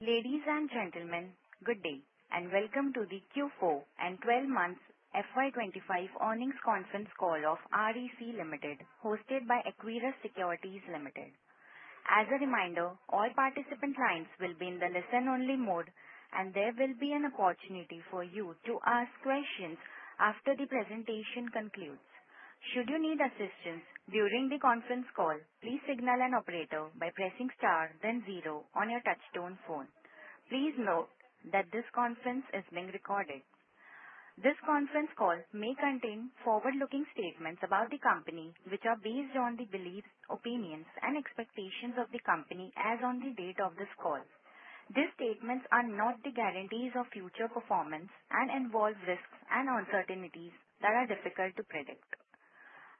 Ladies and gentlemen, good day and welcome to the Q4 and FY25 earnings conference call of REC Limited, hosted by Equirus Securities. As a reminder, all participant lines will be in the listen-only mode, and there will be an opportunity for you to ask questions after the presentation concludes. Should you need assistance during the conference call, please signal an operator by pressing star, then zero on your touch-tone phone. Please note that this conference is being recorded. This conference call may contain forward-looking statements about the company, which are based on the beliefs, opinions, and expectations of the company as of the date of this call. These statements are not the guarantees of future performance and involve risks and uncertainties that are difficult to predict.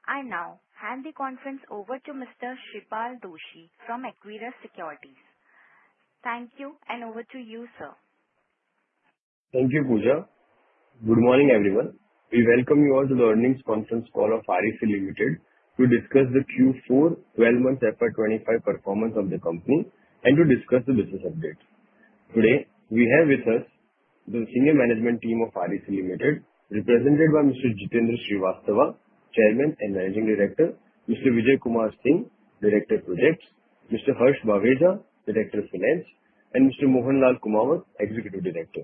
I now hand the conference over to Mr. Shreepal Doshi from Equirus Securities. Thank you, and over to you, sir. Thank you, Puja. Good morning, everyone. We welcome you all to the earnings conference call of REC Limited to discuss the Q4 FY25 performance of the company and to discuss the business update. Today, we have with us the senior management team of REC Limited, represented by Mr. Jitendra Kumar Srivastava, Chairman and Managing Director, Mr. Vijay Kumar Singh, Director of Projects, Mr. Harsh Baweja, Director of Finance, and Mr. Mohan Lal Kumawat, Executive Director.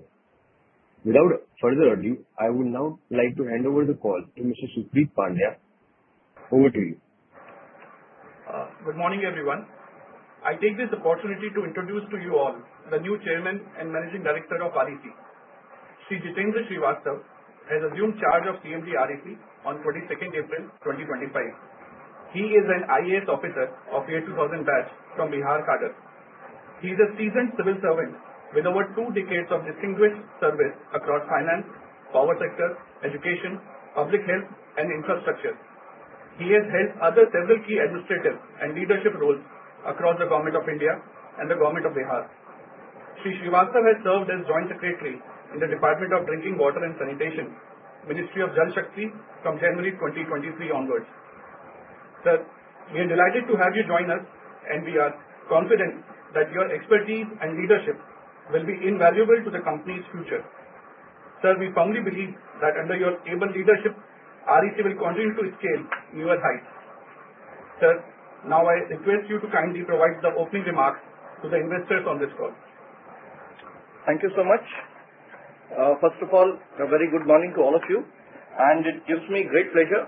Without further ado, I would now like to hand over the call to Mr. Supreet Pandya. Over to you. Good morning, everyone. I take this opportunity to introduce to you all the new Chairman and Managing Director of REC. Mr. Jitendra Srivastava has assumed charge of CMD REC on 22nd April 2025. He is an IAS Officer of the Year 2000 batch from Bihar cadre. He is a seasoned civil servant with over two decades of distinguished service across finance, power sector, education, public health, and infrastructure. He has held other several key administrative and leadership roles across the Government of India and the Government of Bihar. Mr. Srivastava has served as Joint Secretary in the Department of Drinking Water and Sanitation, Ministry of Jal Shakti, from January 2023 onwards. Sir, we are delighted to have you join us, and we are confident that your expertise and leadership will be invaluable to the company's future. Sir, we firmly believe that under your able leadership, REC will continue to scale to newer heights. Sir, now I request you to kindly provide the opening remarks to the investors on this call. Thank you so much. First of all, a very good morning to all of you, and it gives me great pleasure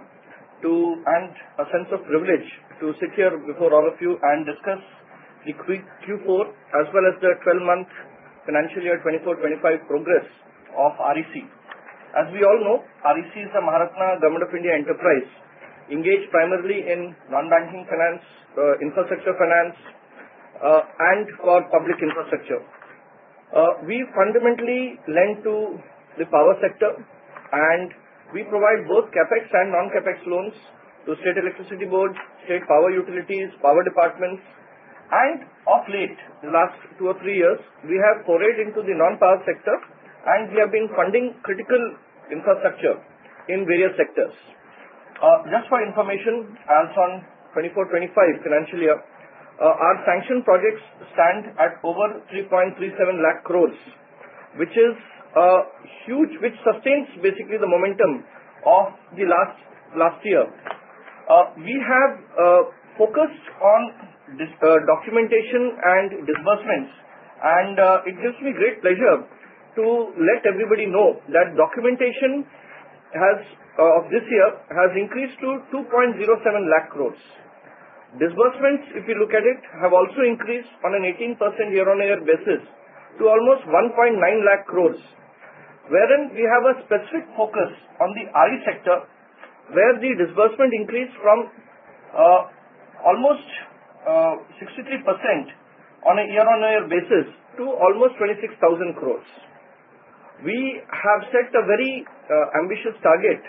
and a sense of privilege to sit here before all of you and discuss the Q4 as well as the 12-month financial year 24-25 progress of REC. As we all know, REC is a Maharatna Government of India enterprise engaged primarily in non-banking finance, infrastructure finance, and for public infrastructure. We fundamentally lend to the power sector, and we provide both CapEx and non-CapEx loans to State Electricity Board, State Power Utilities, and Power Departments. And of late, the last two or three years, we have forayed into the non-power sector, and we have been funding critical infrastructure in various sectors. Just for information, as of 2024-2025 financial year, our sanction projects stand at over 3.37 lakh crores, which is huge, which sustains basically the momentum of the last year. We have focused on documentation and disbursements, and it gives me great pleasure to let everybody know that documentation of this year has increased to 2.07 lakh crores. Disbursements, if you look at it, have also increased on an 18% year-on-year basis to almost 1.9 lakh crores, wherein we have a specific focus on the RE sector, where the disbursement increased from almost 63% on a year-on-year basis to almost 26,000 crores. We have set a very ambitious target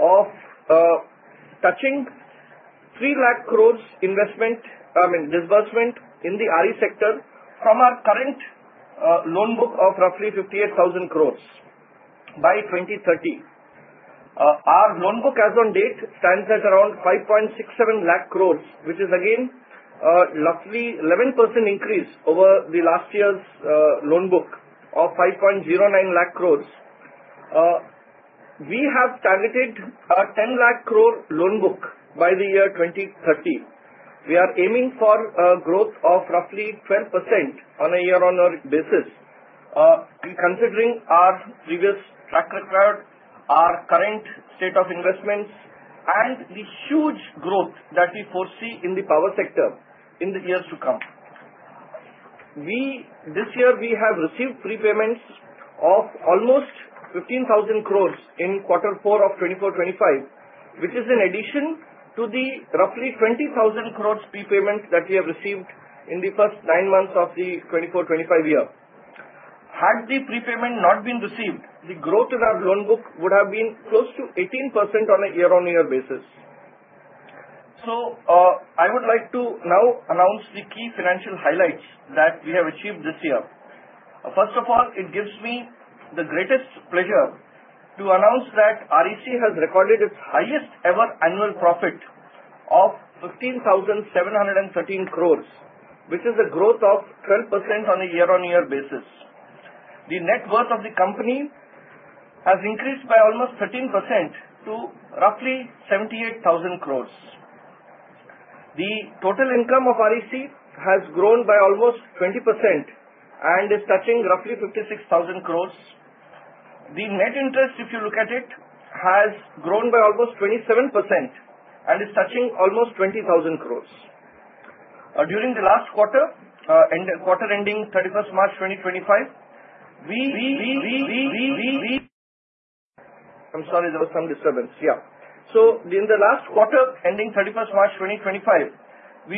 of touching 3 lakh crores investment, I mean, disbursement in the RE sector from our current loan book of roughly 58,000 crores by 2030. Our loan book as of date stands at around 5.67 lakh crores, which is again a roughly 11% increase over the last year's loan book of 5.09 lakh crores. We have targeted a 10 lakh crore loan book by the year 2030. We are aiming for a growth of roughly 12% on a year-on-year basis, considering our previous track record, our current state of investments, and the huge growth that we foresee in the power sector in the years to come. This year, we have received prepayments of almost 15,000 crores in Q4 of 2024-25, which is in addition to the roughly 20,000 crores prepayment that we have received in the first nine months of the 2024-2025 year. Had the prepayment not been received, the growth in our loan book would have been close to 18% on a year-on-year basis. I would like to now announce the key financial highlights that we have achieved this year. First of all, it gives me the greatest pleasure to announce that REC has recorded its highest ever annual profit of 15,713 crores, which is a growth of 12% on a year-on-year basis. The net worth of the company has increased by almost 13% to roughly 78,000 crores. The total income of REC has grown by almost 20% and is touching roughly 56,000 crores. The net interest, if you look at it, has grown by almost 27% and is touching almost 20,000 crores. During the last quarter, ending 31st March 2025, we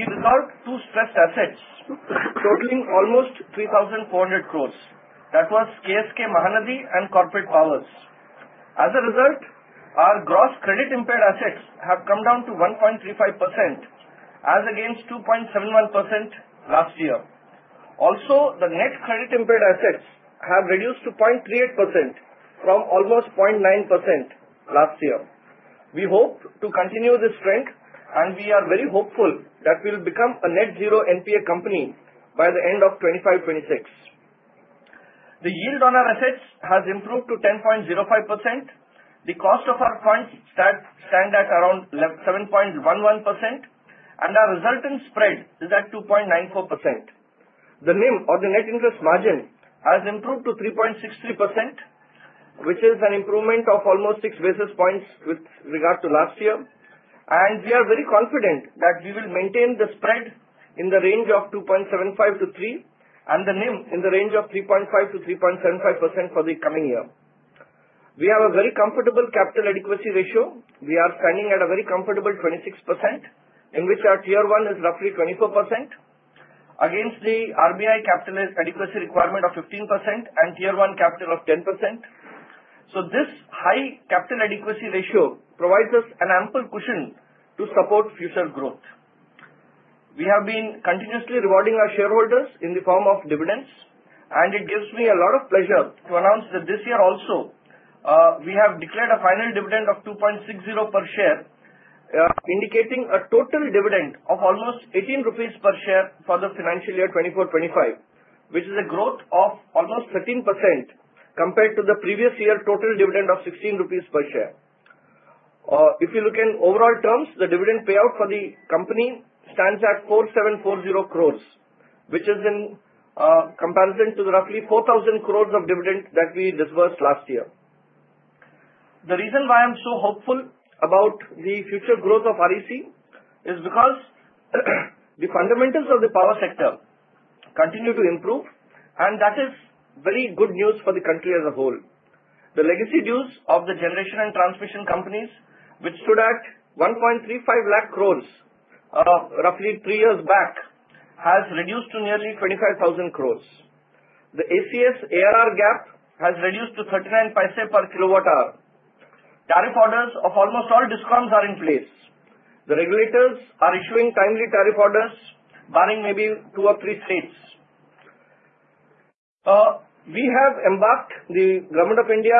resolved two stressed assets, totaling almost 3,400 crores. That was KSK Mahanadi and Corporate Power. As a result, our gross credit impaired assets have come down to 1.35%, as against 2.71% last year. Also, the net credit impaired assets have reduced to 0.38% from almost 0.9% last year. We hope to continue this trend, and we are very hopeful that we will become a net zero NPA company by the end of 2025-2026. The yield on our assets has improved to 10.05%. The cost of our funds stands at around 7.11%, and our resultant spread is at 2.94%. The NIM or the net interest margin has improved to 3.63%, which is an improvement of almost six basis points with regard to last year. We are very confident that we will maintain the spread in the range of 2.75%-3%, and the NIM in the range of 3.5%-3.75% for the coming year. We have a very comfortable capital adequacy ratio. We are standing at a very comfortable 26%, in which our tier one is roughly 24%, against the RBI capital adequacy requirement of 15% and tier one capital of 10%. So this high capital adequacy ratio provides us an ample cushion to support future growth. We have been continuously rewarding our shareholders in the form of dividends, and it gives me a lot of pleasure to announce that this year also, we have declared a final dividend of 2.60 per share, indicating a total dividend of almost 18 rupees per share for the financial year 2024-2025, which is a growth of almost 13% compared to the previous year total dividend of 16 rupees per share. If you look in overall terms, the dividend payout for the company stands at 4,740 crores, which is in comparison to the roughly 4,000 crores of dividend that we disbursed last year. The reason why I'm so hopeful about the future growth of REC is because the fundamentals of the power sector continue to improve, and that is very good news for the country as a whole. The legacy dues of the generation and transmission companies, which stood at 1.35 lakh crores roughly three years back, have reduced to nearly 25,000 crores. The ACS-ARR gap has reduced to 39 paise per kilowatt-hour. Tariff orders of almost all DISCOMs are in place. The regulators are issuing timely tariff orders, barring maybe two or three states. We have embarked on the Government of India,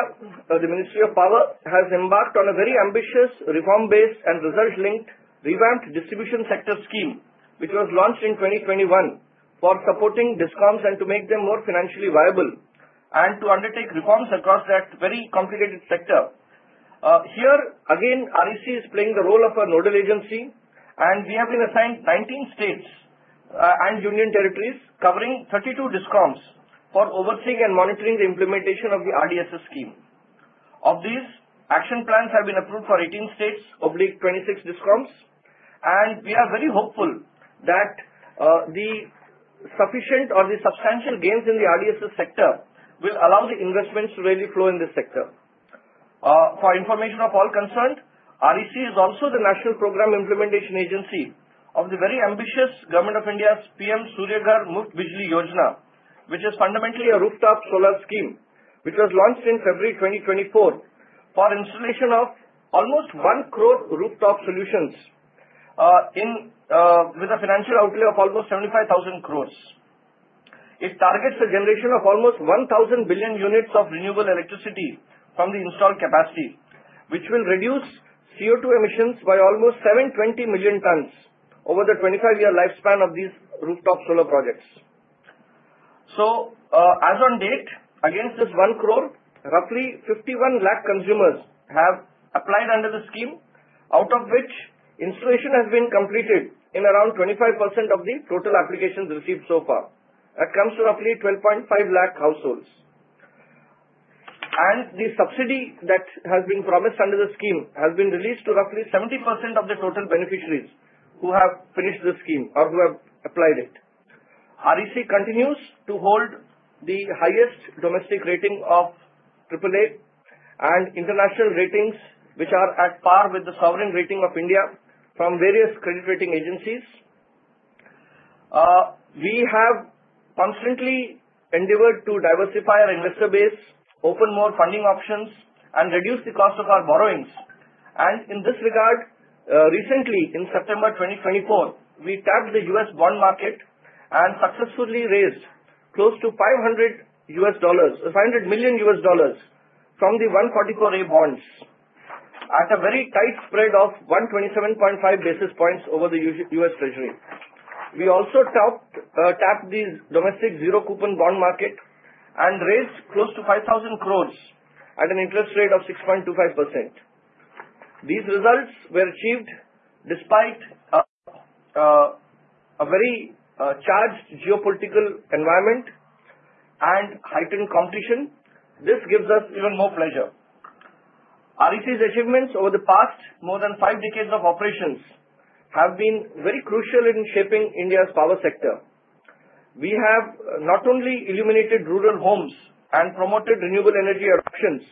the Ministry of Power has embarked on a very ambitious reform-based and result-linked Revamped Distribution Sector Scheme, which was launched in 2021 for supporting DISCOMs and to make them more financially viable and to undertake reforms across that very complicated sector. Here, again, REC is playing the role of a nodal agency, and we have been assigned 19 states and union territories covering 32 DISCOMs for overseeing and monitoring the implementation of the RDSS scheme. Of these, action plans have been approved for 18 states/26 DISCOMs, and we are very hopeful that the sufficient or the substantial gains in the RDSS sector will allow the investments to really flow in this sector. For information of all concerned, REC is also the national program implementation agency of the very ambitious Government of India's PM Surya Ghar: Muft Bijli Yojana, which is fundamentally a rooftop solar scheme that was launched in February 2024 for installation of almost one crore rooftop solutions with a financial outlay of almost 75,000 crores. It targets a generation of almost 1,000 billion units of renewable electricity from the installed capacity, which will reduce CO2 emissions by almost 720 million tons over the 25-year lifespan of these rooftop solar projects. So, as of date, against this one crore, roughly 51 lakh consumers have applied under the scheme, out of which installation has been completed in around 25% of the total applications received so far. That comes to roughly 12.5 lakh households. And the subsidy that has been promised under the scheme has been released to roughly 70% of the total beneficiaries who have finished the scheme or who have applied it. REC continues to hold the highest domestic rating of AAA and international ratings, which are at par with the sovereign rating of India from various credit rating agencies. We have constantly endeavored to diversify our investor base, open more funding options, and reduce the cost of our borrowings, and in this regard, recently, in September 2024, we tapped the U.S. bond market and successfully raised close to $500 million from the 144A bonds at a very tight spread of 127.5 basis points over the U.S. Treasury. We also tapped the domestic zero-coupon bond market and raised close to 5,000 crores at an interest rate of 6.25%. These results were achieved despite a very charged geopolitical environment and heightened competition. This gives us even more pleasure. REC's achievements over the past more than five decades of operations have been very crucial in shaping India's power sector. We have not only illuminated rural homes and promoted renewable energy options,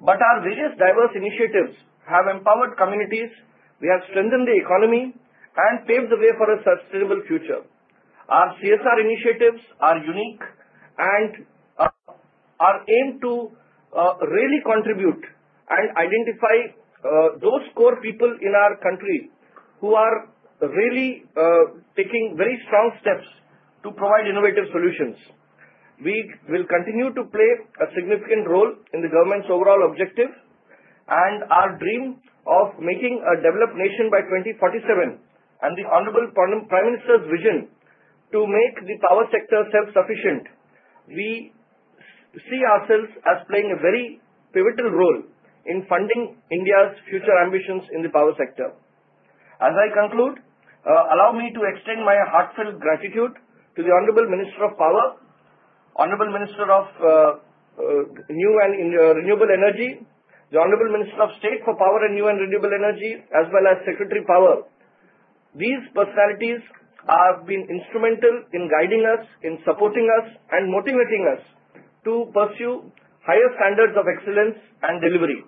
but our various diverse initiatives have empowered communities. We have strengthened the economy and paved the way for a sustainable future. Our CSR initiatives are unique and aim to really contribute and identify those core people in our country who are really taking very strong steps to provide innovative solutions. We will continue to play a significant role in the government's overall objective and our dream of making a developed nation by 2047 and the Honorable Prime Minister's vision to make the power sector self-sufficient. We see ourselves as playing a very pivotal role in funding India's future ambitions in the power sector. As I conclude, allow me to extend my heartfelt gratitude to the Honorable Minister of Power, Honorable Minister of Renewable Energy, the Honorable Minister of State for Power and Renewable Energy, as well as Secretary Power. These personalities have been instrumental in guiding us, in supporting us, and motivating us to pursue higher standards of excellence and delivery.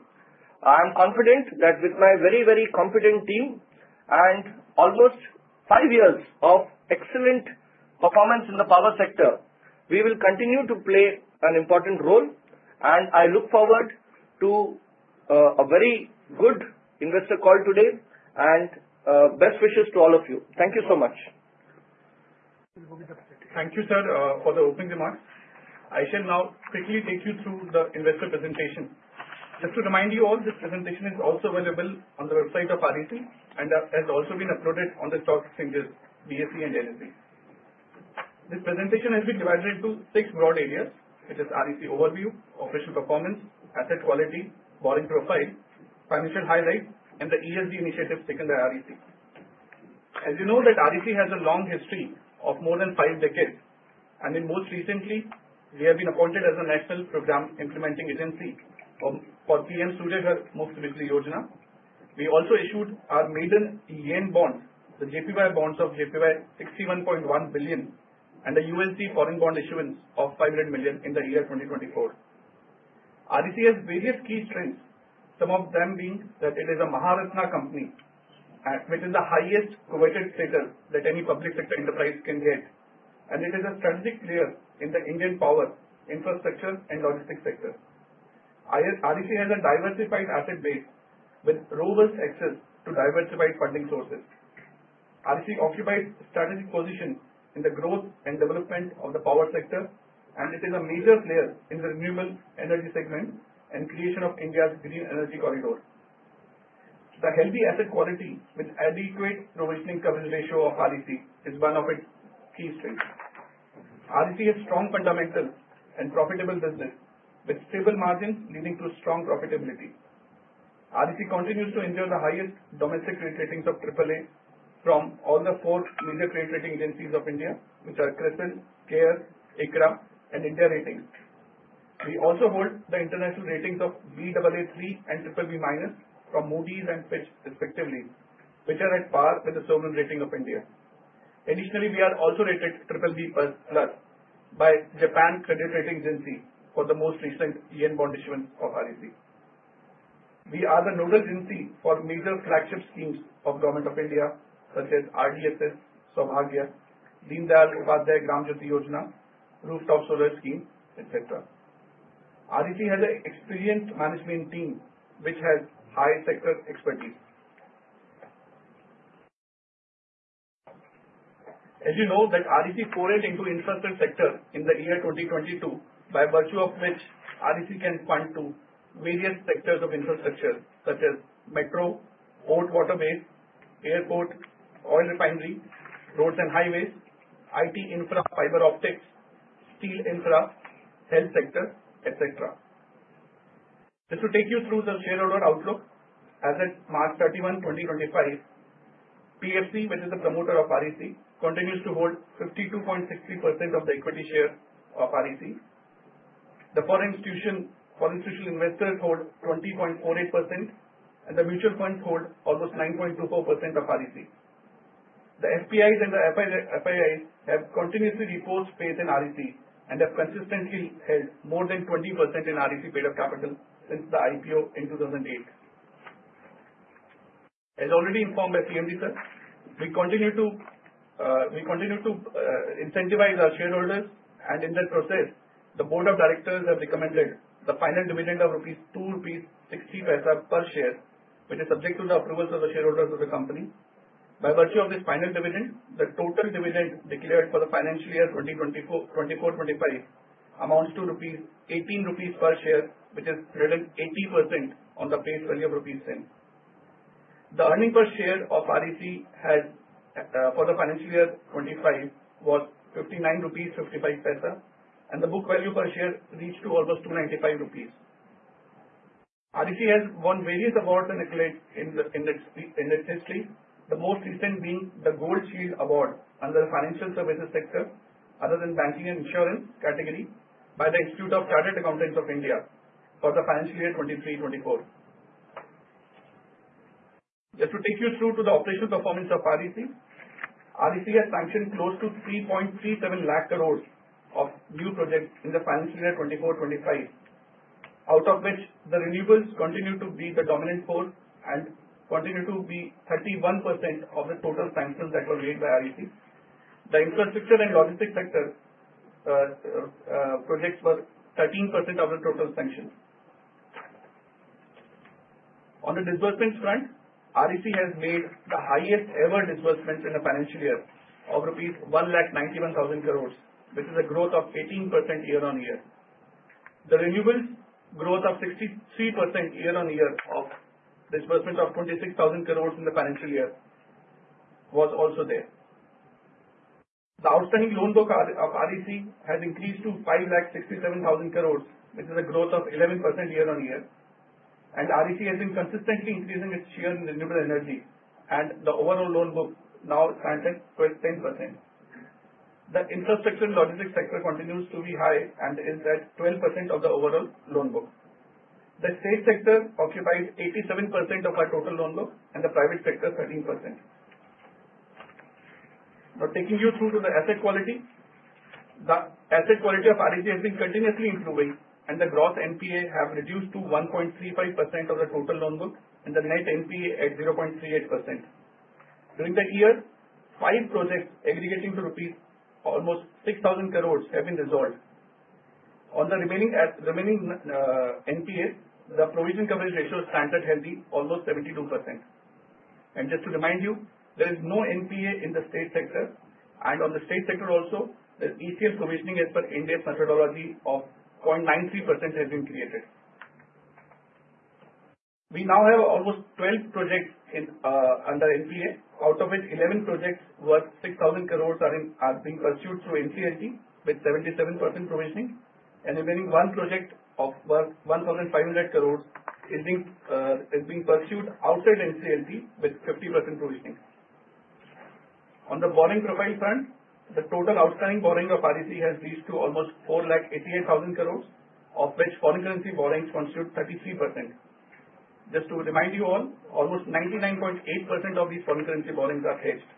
I am confident that with my very, very competent team and almost five years of excellent performance in the power sector, we will continue to play an important role, and I look forward to a very good investor call today and best wishes to all of you. Thank you so much. Thank you, sir, for the opening remarks. I shall now quickly take you through the investor presentation. Just to remind you all, this presentation is also available on the website of REC and has also been uploaded on the stock exchanges, BSE and NSE. This presentation has been divided into six broad areas, which are REC overview, operational performance, asset quality, borrowing profile, financial highlights, and the ESG initiative taken by REC. As you know, REC has a long history of more than five decades, and most recently, we have been appointed as a national program implementing agency for PM Surya Ghar: Muft Bijli Yojana. We also issued our maiden Yen bonds, the JPY bonds of JPY 61.1 billion and the USD foreign bond issuance of $500 million in the year 2024. REC has various key strengths, some of them being that it is a Maharatna company, which is the highest coveted status that any public sector enterprise can get, and it is a strategic player in the Indian power, infrastructure, and logistics sector. REC has a diversified asset base with robust access to diversified funding sources. REC occupies a strategic position in the growth and development of the power sector, and it is a major player in the renewable energy segment and creation of India's Green Energy Corridor. The healthy asset quality with adequate provisioning coverage ratio of REC is one of its key strengths. REC has strong fundamentals and profitable business with stable margins leading to strong profitability. REC continues to enjoy the highest domestic credit ratings of AAA from all the four major credit rating agencies of India, which are CRISIL, CARE, ICRA, and India Ratings. We also hold the international ratings of Baa3 and BBB minus from Moody's and Fitch, respectively, which are at par with the sovereign rating of India. Additionally, we are also rated BBB plus by Japan Credit Rating Agency for the most recent Yen bond issuance of REC. We are the nodal agency for major flagship schemes of the Government of India, such as RDSS, Saubhagya, Deen Dayal Upadhyaya Gram Jyoti Yojana, Rooftop Solar Scheme, etc. REC has an experienced management team, which has high sector expertise. As you know, REC forayed into the infrastructure sector in the year 2022, by virtue of which REC can fund various sectors of infrastructure, such as metro, port waterways, airport, oil refinery, roads and highways, IT infra, fiber optics, steel infra, health sector, etc. Just to take you through the shareholder outlook, as of March 31, 2025, PFC, which is the promoter of REC, continues to hold 52.63% of the equity share of REC. The foreign institutional investors hold 20.48%, and the mutual funds hold almost 9.24% of REC. The FPIs and the FIIs have continuously reposed faith in REC and have consistently held more than 20% in REC paid-up capital since the IPO in 2008. As already informed by CMD, sir, we continue to incentivize our shareholders, and in that process, the board of directors have recommended the final dividend of 2.60 rupees per share, which is subject to the approvals of the shareholders of the company. By virtue of this final dividend, the total dividend declared for the financial year 2024-2025 amounts to 18 rupees per share, which is 380% on the paid value of rupees 10. The earnings per share of REC for the financial year 25 was 59.55 rupees, and the book value per share reached almost 295 rupees. REC has won various awards and accolades in its history, the most recent being the Gold Shield Award under the financial services sector, other than banking and insurance category, by the Institute of Chartered Accountants of India for the financial year 2023-2024. Just to take you through the operational performance of REC, REC has sanctioned close to 3.37 lakh crore of new projects in the financial year 2024-2025, out of which the renewables continue to be the dominant force and continue to be 31% of the total sanctions that were made by REC. The infrastructure and logistics sector projects were 13% of the total sanctions. On the disbursements front, REC has made the highest-ever disbursements in the financial year of rupees 191,000 crore, which is a growth of 18% year-on-year. The renewables' growth of 63% year-on-year of disbursements of 26,000 crore in the financial year was also there. The outstanding loan book of REC has increased to 567,000 crore, which is a growth of 11% year-on-year, and REC has been consistently increasing its share in renewable energy, and the overall loan book now stands at 10%. The infrastructure and logistics sector continues to be high and is at 12% of the overall loan book. The state sector occupies 87% of our total loan book and the private sector 13%. Now, taking you through to the asset quality, the asset quality of REC has been continuously improving, and the gross NPA have reduced to 1.35% of the total loan book and the net NPA at 0.38%. During the year, five projects aggregating to almost 6,000 crores rupees have been resolved. On the remaining NPAs, the provision coverage ratio stands at healthy, almost 72%. Just to remind you, there is no NPA in the state sector, and on the state sector also, the ECL provisioning as per India's methodology of 0.93% has been created. We now have almost 12 projects under NPA, out of which 11 projects worth 6,000 crores are being pursued through NCLT with 77% provisioning, and remaining one project worth 1,500 crores is being pursued outside NCLT with 50% provisioning. On the borrowing profile front, the total outstanding borrowing of REC has reached to almost 488,000 crores, of which foreign currency borrowings constitute 33%. Just to remind you all, almost 99.8% of these foreign currency borrowings are hedged.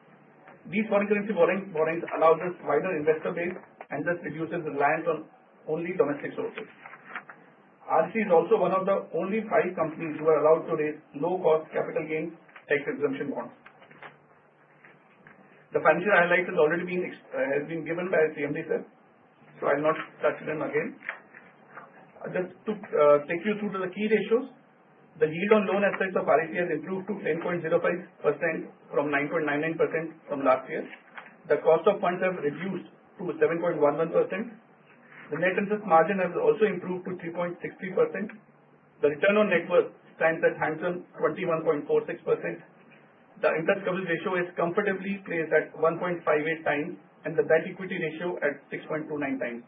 These foreign currency borrowings allow this wider investor base and thus reduces reliance on only domestic sources. REC is also one of the only five companies who are allowed to raise low-cost capital gains tax-exemption bonds. The financial highlights have already been given by CMD, sir, so I'll not touch them again. Just to take you through to the key ratios, the yield on loan assets of REC has improved to 10.05% from 9.99% from last year. The cost of funds have reduced to 7.11%. The net interest margin has also improved to 3.63%. The return on net worth stands at handsome 21.46%. The interest coverage ratio is comfortably placed at 1.58 times, and the debt equity ratio at 6.29 times.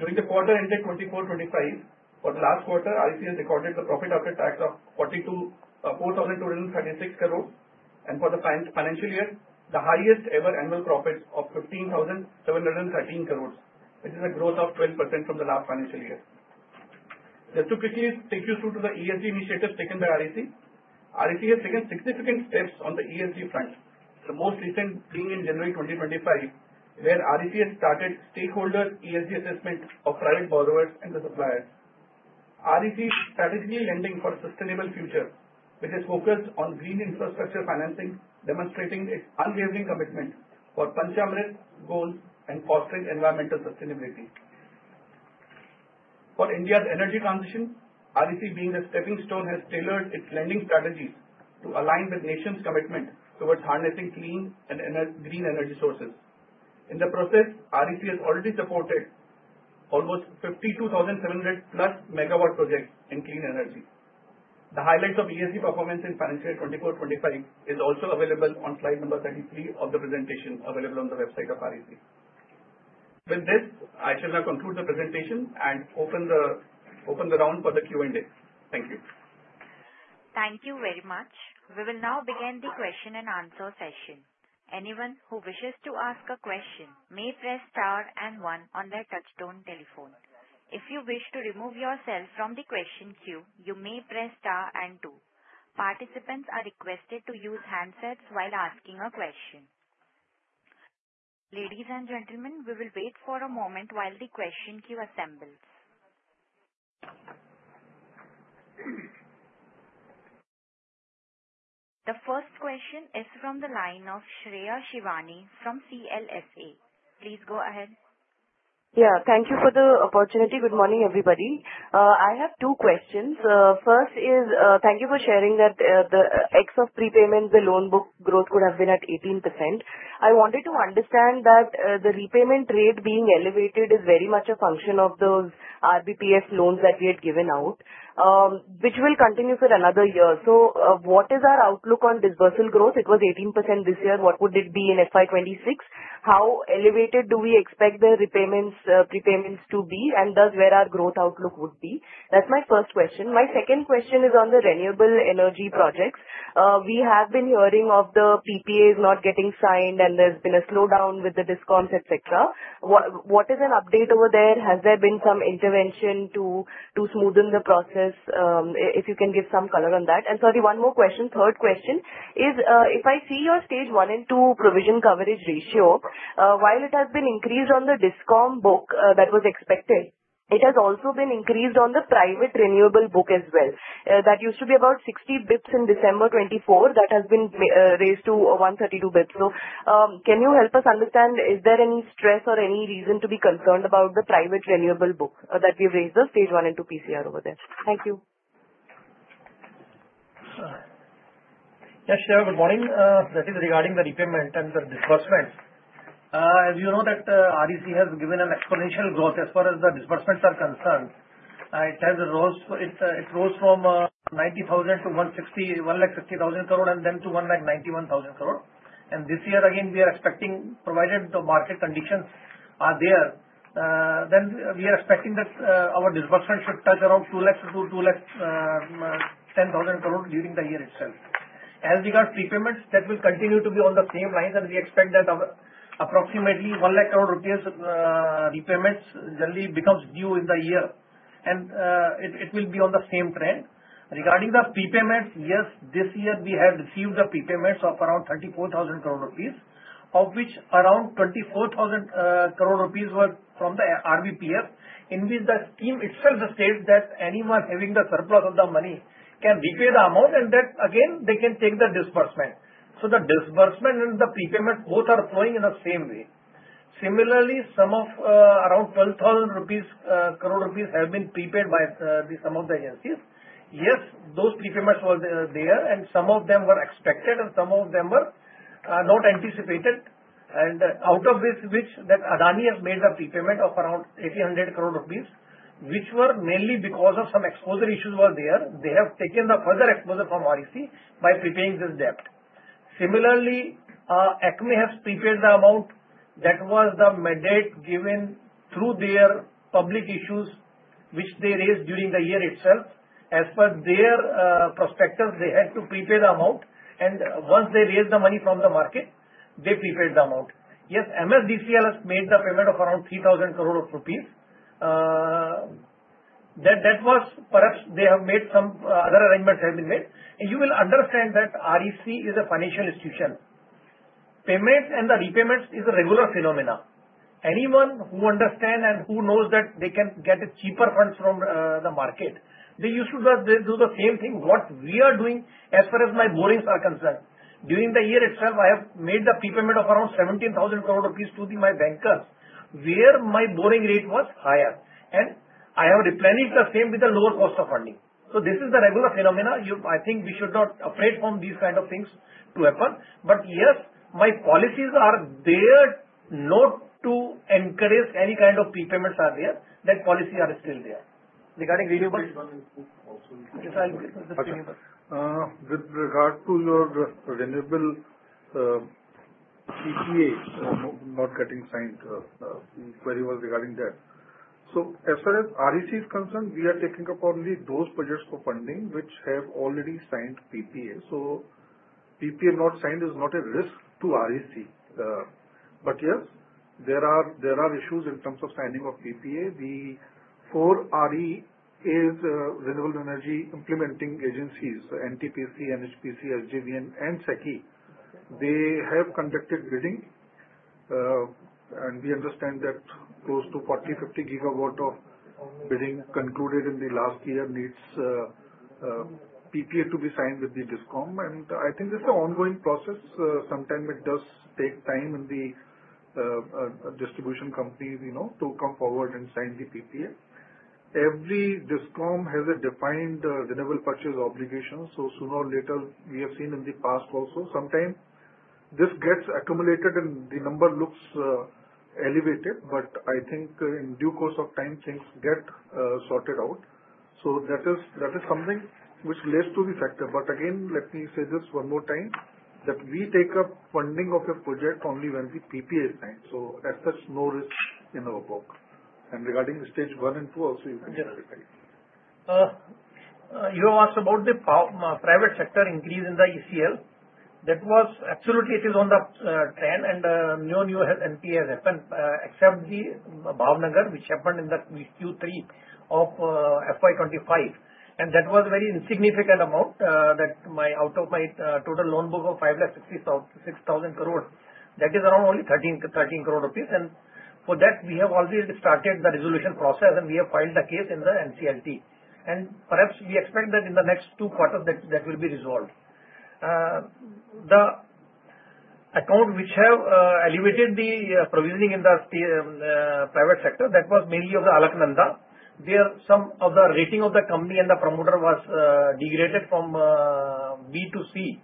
During the quarter ended 2024-25, for the last quarter, REC has recorded the profit after tax of 4,236 crores, and for the financial year, the highest-ever annual profit of 15,713 crores, which is a growth of 12% from the last financial year. Just to quickly take you through the ESG initiatives taken by REC. REC has taken significant steps on the ESG front, the most recent being in January 2025, where REC has started stakeholder ESG assessment of private borrowers and the suppliers. REC is strategically lending for a sustainable future, which is focused on green infrastructure financing, demonstrating its unwavering commitment for Panchamrit goals and fostering environmental sustainability. For India's energy transition, REC being the stepping stone has tailored its lending strategies to align with nation's commitment towards harnessing clean and green energy sources. In the process, REC has already supported almost 52,700 plus megawatt projects in clean energy. The highlights of ESG performance in financial year 2024-2025 is also available on slide number 33 of the presentation available on the website of REC. With this, I shall now conclude the presentation and open the round for the Q&A. Thank you. Thank you very much. We will now begin the question and answer session. Anyone who wishes to ask a question may press star and one on their touch-tone telephone. If you wish to remove yourself from the question queue, you may press star and two. Participants are requested to use handsets while asking a question. Ladies and gentlemen, we will wait for a moment while the question queue assembles. The first question is from the line of Shreya Shivani from CLSA. Please go ahead. Yeah, thank you for the opportunity. Good morning, everybody. I have two questions. First is, thank you for sharing that the ex of prepayment, the loan book growth could have been at 18%. I wanted to understand that the repayment rate being elevated is very much a function of those RBPF loans that we had given out, which will continue for another year. What is our outlook on disbursal growth? It was 18% this year. What would it be in FY26? How elevated do we expect the repayments to be, and thus where our growth outlook would be? That's my first question. My second question is on the renewable energy projects. We have been hearing of the PPAs not getting signed, and there's been a slowdown with the DISCOMs, etc. What is an update over there? Has there been some intervention to smoothen the process? If you can give some color on that. And sorry, one more question, third question is, if I see your stage one and two provision coverage ratio, while it has been increased on the DISCOM book that was expected, it has also been increased on the private renewable book as well. That used to be about 60 basis points in December 2024. That has been raised to 132 basis points. So can you help us understand, is there any stress or any reason to be concerned about the private renewable book that we have raised, the stage one and two PCR over there? Thank you. Yes, Shiva, good morning. That is regarding the repayment and the disbursement. As you know, REC has given an exponential growth as far as the disbursements are concerned. It has rose from 90,000-160,000 crore and then to 191,000 crore. And this year, again, we are expecting, provided the market conditions are there, then we are expecting that our disbursement should touch around 2 lakhs to 210,000 crore during the year itself. As regards prepayments, that will continue to be on the same line, and we expect that approximately 1 lakh crore rupees repayments generally becomes due in the year, and it will be on the same trend. Regarding the prepayments, yes, this year we have received the prepayments of around 34,000 crore rupees, of which around 24,000 crore rupees were from the RBPF, in which the scheme itself states that anyone having the surplus of the money can repay the amount, and that again, they can take the disbursement. So the disbursement and the prepayment both are flowing in the same way. Similarly, some of around 12,000 crore rupees have been prepaid by some of the agencies. Yes, those prepayments were there, and some of them were expected, and some of them were not anticipated. And out of this, that Adani has made the prepayment of around 1,800 crore rupees, which were mainly because of some exposure issues were there. They have taken the further exposure from REC by prepaying this debt. Similarly, ACME has prepaid the amount that was the mandate given through their public issues, which they raised during the year itself. As per their prospectus, they had to prepay the amount, and once they raised the money from the market, they prepaid the amount. Yes, MSEDCL has made the payment of around 3,000 crore rupees. That was perhaps they have made some other arrangements have been made. You will understand that REC is a financial institution. Payments and the repayments is a regular phenomenon. Anyone who understands and who knows that they can get cheaper funds from the market, they used to do the same thing. What we are doing as far as my borrowings are concerned, during the year itself, I have made the prepayment of around 17,000 crore rupees to my bankers, where my borrowing rate was higher, and I have replenished the same with the lower cost of funding. So this is the regular phenomenon. I think we should not be afraid from these kinds of things to happen. But yes, my policies are there not to encourage any kind of prepayments are there. That policies are still there. Regarding renewables, just a quick question. With regard to your renewable PPA not getting signed, the query was regarding that. So as far as REC is concerned, we are taking up only those projects for funding which have already signed PPA. So PPA not signed is not a risk to REC. But yes, there are issues in terms of signing of PPA. The four REs are Renewable Energy Implementing Agencies, NTPC, NHPC, SJVN, and SECI. They have conducted bidding, and we understand that close to 40-50 GW of bidding concluded in the last year needs PPA to be signed with the DISCOM, and I think this is an ongoing process. Sometimes it does take time in the distribution company to come forward and sign the PPA. Every DISCOM has a defined renewable purchase obligation, so sooner or later, we have seen in the past also, sometimes this gets accumulated and the number looks elevated. But I think in due course of time, things get sorted out, so that is something which has to be factored. But again, let me say this one more time, that we take up funding of a project only when the PPA is signed, so as such, no risk in our book. And regarding stage one and two, also you can clarify. You have asked about the private sector increase in the ECL. That was absolutely, it is on the trend, and no new NPA has happened, except the Bhavnagar, which happened in the Q3 of FY25. And that was a very insignificant amount that out of my total loan book of 560,000 crore, that is around only 13 crore rupees. And for that, we have already started the resolution process, and we have filed a case in the NCLT. And perhaps we expect that in the next two quarters, that will be resolved. The account which have elevated the provisioning in the private sector, that was mainly of the Alaknanda, where some of the rating of the company and the promoter was degraded from B to C,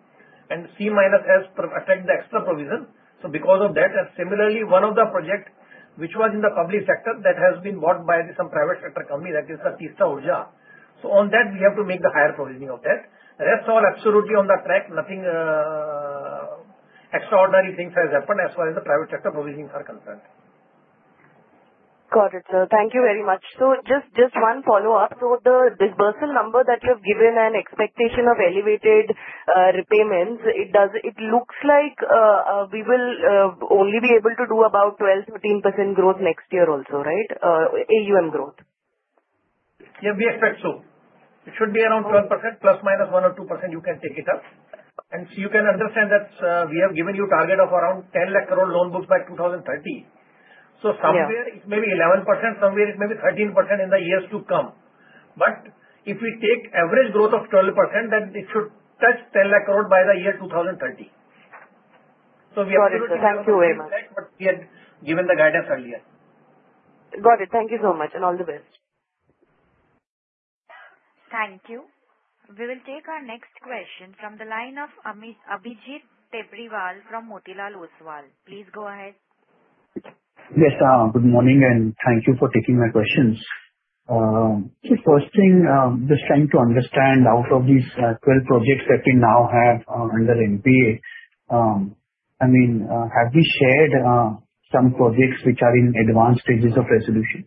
and C minus S attract the extra provision. Because of that, similarly, one of the projects which was in the public sector that has been bought by some private sector company, that is the Teesta Urja. So on that, we have to make the higher provisioning of that. Rest all absolutely on the track. Nothing extraordinary things have happened as far as the private sector provisionings are concerned. Got it. Thank you very much. Just one follow-up. The disbursal number that you have given and expectation of elevated repayments, it looks like we will only be able to do about 12%-13% growth next year also, right? AUM growth. Yeah, we expect so. It should be around 12%, plus minus 1 or 2% you can take it up. You can understand that we have given you a target of around 10 lakh crore loan books by 2030. So somewhere it may be 11%, somewhere it may be 13% in the years to come. But if we take average growth of 12%, then it should touch 10 lakh crore by the year 2030. So we absolutely expect what we had given the guidance earlier. Got it. Thank you so much, and all the best. Thank you. We will take our next question from the line of Abhijit Tibrewal from Motilal Oswal. Please go ahead. Yes, good morning, and thank you for taking my questions. First thing, just trying to understand out of these 12 projects that we now have under NPA. I mean, have we shared some projects which are in advanced stages of resolution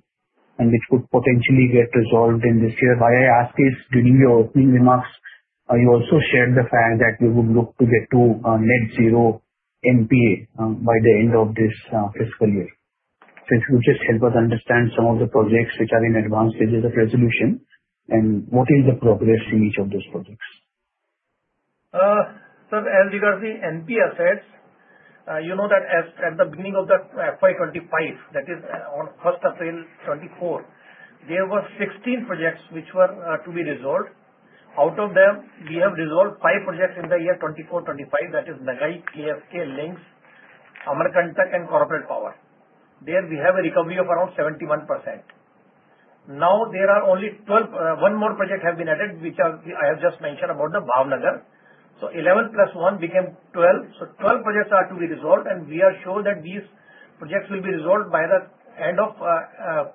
and which could potentially get resolved in this year? Why I ask is, during your opening remarks, you also shared the fact that we would look to get to net zero NPA by the end of this fiscal year. So if you could just help us understand some of the projects which are in advanced stages of resolution and what is the progress in each of those projects? Sir, as regards the NPA assets, you know that at the beginning of the FY25, that is on 1st April 2024, there were 16 projects which were to be resolved. Out of them, we have resolved five projects in the year 2024-2025, that is Nagai, KSK, Lynx, Amarkantak, and Corporate Power. There we have a recovery of around 71%. Now there are only 12, one more project has been added, which I have just mentioned about the Bhavnagar. So 11 plus one became 12. 12 projects are to be resolved, and we are sure that these projects will be resolved by the end of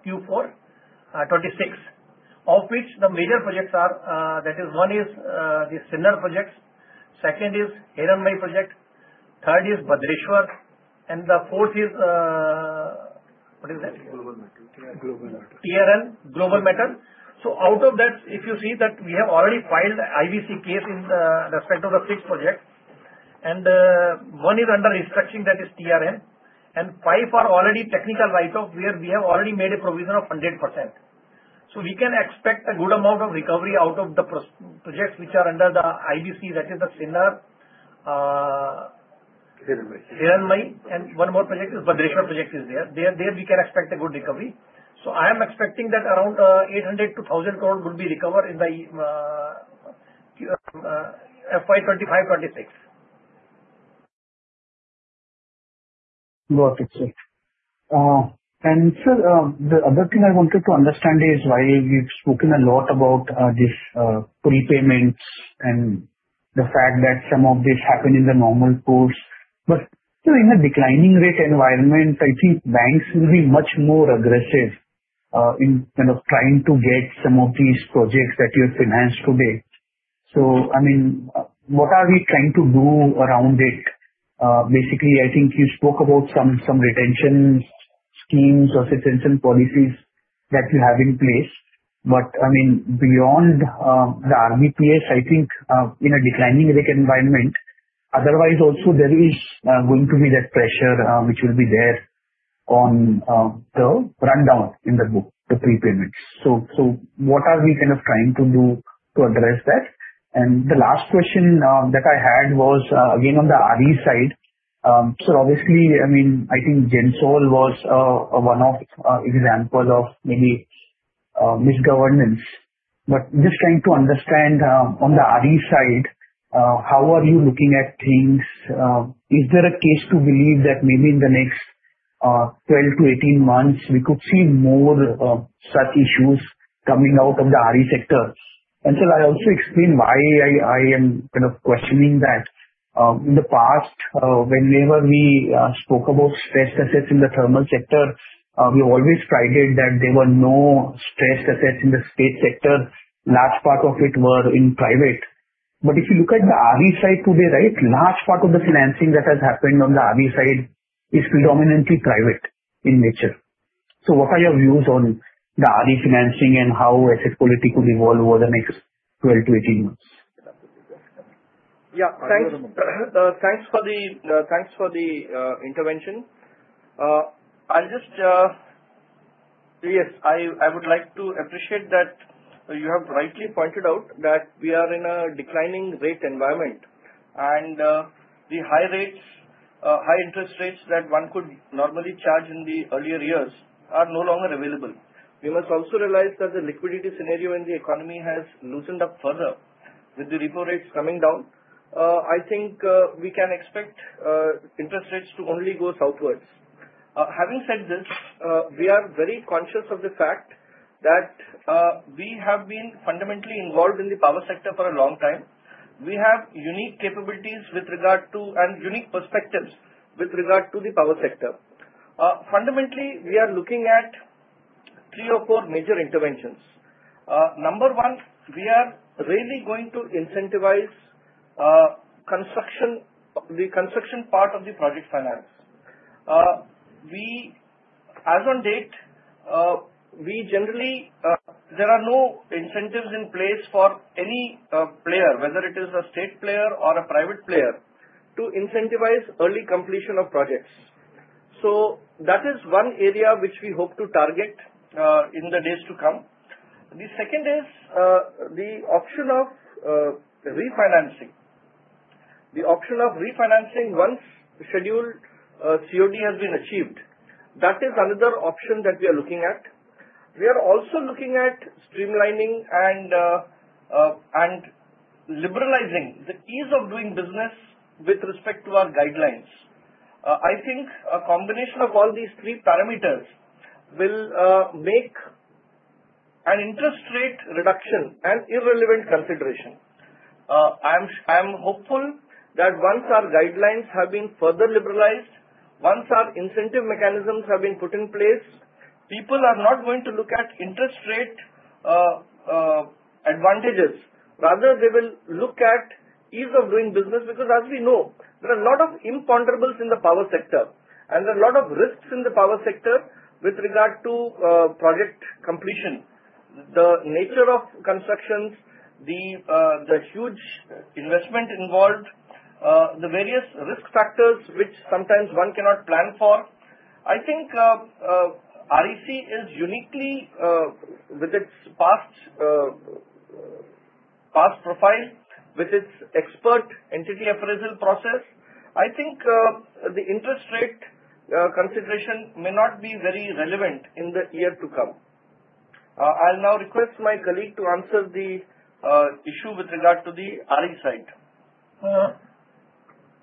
Q4-2026, of which the major projects are, that is one is the Sinnar projects, second is Hiranmaye project, third is Bhadreshwar, and the fourth is what is that? Global Metal. TRN, Global Metal. Out of that, if you see that we have already filed IBC case in respect of the six projects, and one is under restructuring, that is TRN, and five are already technical write-off where we have already made a provision of 100%. We can expect a good amount of recovery out of the projects which are under the IBC, that is the Sinnar, Hiranmaye. One more project is Bhadreshwar project is there. There we can expect a good recovery. So, I am expecting that around 800-1,000 crore would be recovered in the FY 2025-2026. Got it. And, sir, the other thing I wanted to understand is why we've spoken a lot about these prepayments and the fact that some of these happen in the normal course. But in a declining rate environment, I think banks will be much more aggressive in kind of trying to get some of these projects that you have financed today. So, I mean, what are we trying to do around it? Basically, I think you spoke about some retention schemes or retention policies that you have in place. But, I mean, beyond the RBPF, I think in a declining rate environment, otherwise also there is going to be that pressure which will be there on the rundown in the book, the prepayments. What are we kind of trying to do to address that? And the last question that I had was again on the RE side. So obviously, I mean, I think Gensol was one of examples of maybe misgovernance. But just trying to understand on the RE side, how are you looking at things? Is there a case to believe that maybe in the next 12-18 months, we could see more such issues coming out of the RE sector? And sir, I also explain why I am kind of questioning that. In the past, whenever we spoke about stress assets in the thermal sector, we always prided that there were no stress assets in the state sector. Last part of it were in private. But if you look at the RE side today, right, a large part of the financing that has happened on the RE side is predominantly private in nature. So what are your views on the RE financing and how asset quality could evolve over the next 12-18 months? Yeah, thanks for the intervention. I'll just say, yes, I would like to appreciate that you have rightly pointed out that we are in a declining rate environment, and the high rates, high interest rates that one could normally charge in the earlier years are no longer available. We must also realize that the liquidity scenario in the economy has loosened up further with the repo rates coming down. I think we can expect interest rates to only go southwards. Having said this, we are very conscious of the fact that we have been fundamentally involved in the power sector for a long time. We have unique capabilities with regard to and unique perspectives with regard to the power sector. Fundamentally, we are looking at three or four major interventions. Number one, we are really going to incentivize the construction part of the project finance. As on date, we generally, there are no incentives in place for any player, whether it is a state player or a private player, to incentivize early completion of projects. So that is one area which we hope to target in the days to come. The second is the option of refinancing. The option of refinancing once scheduled COD has been achieved. That is another option that we are looking at. We are also looking at streamlining and liberalizing the ease of doing business with respect to our guidelines. I think a combination of all these three parameters will make an interest rate reduction an irrelevant consideration. I am hopeful that once our guidelines have been further liberalized, once our incentive mechanisms have been put in place, people are not going to look at interest rate advantages. Rather, they will look at ease of doing business because, as we know, there are a lot of imponderables in the power sector, and there are a lot of risks in the power sector with regard to project completion, the nature of constructions, the huge investment involved, the various risk factors which sometimes one cannot plan for. I think REC is uniquely with its past profile, with its expert entity appraisal process. I think the interest rate consideration may not be very relevant in the year to come. I'll now request my colleague to answer the issue with regard to the RE side.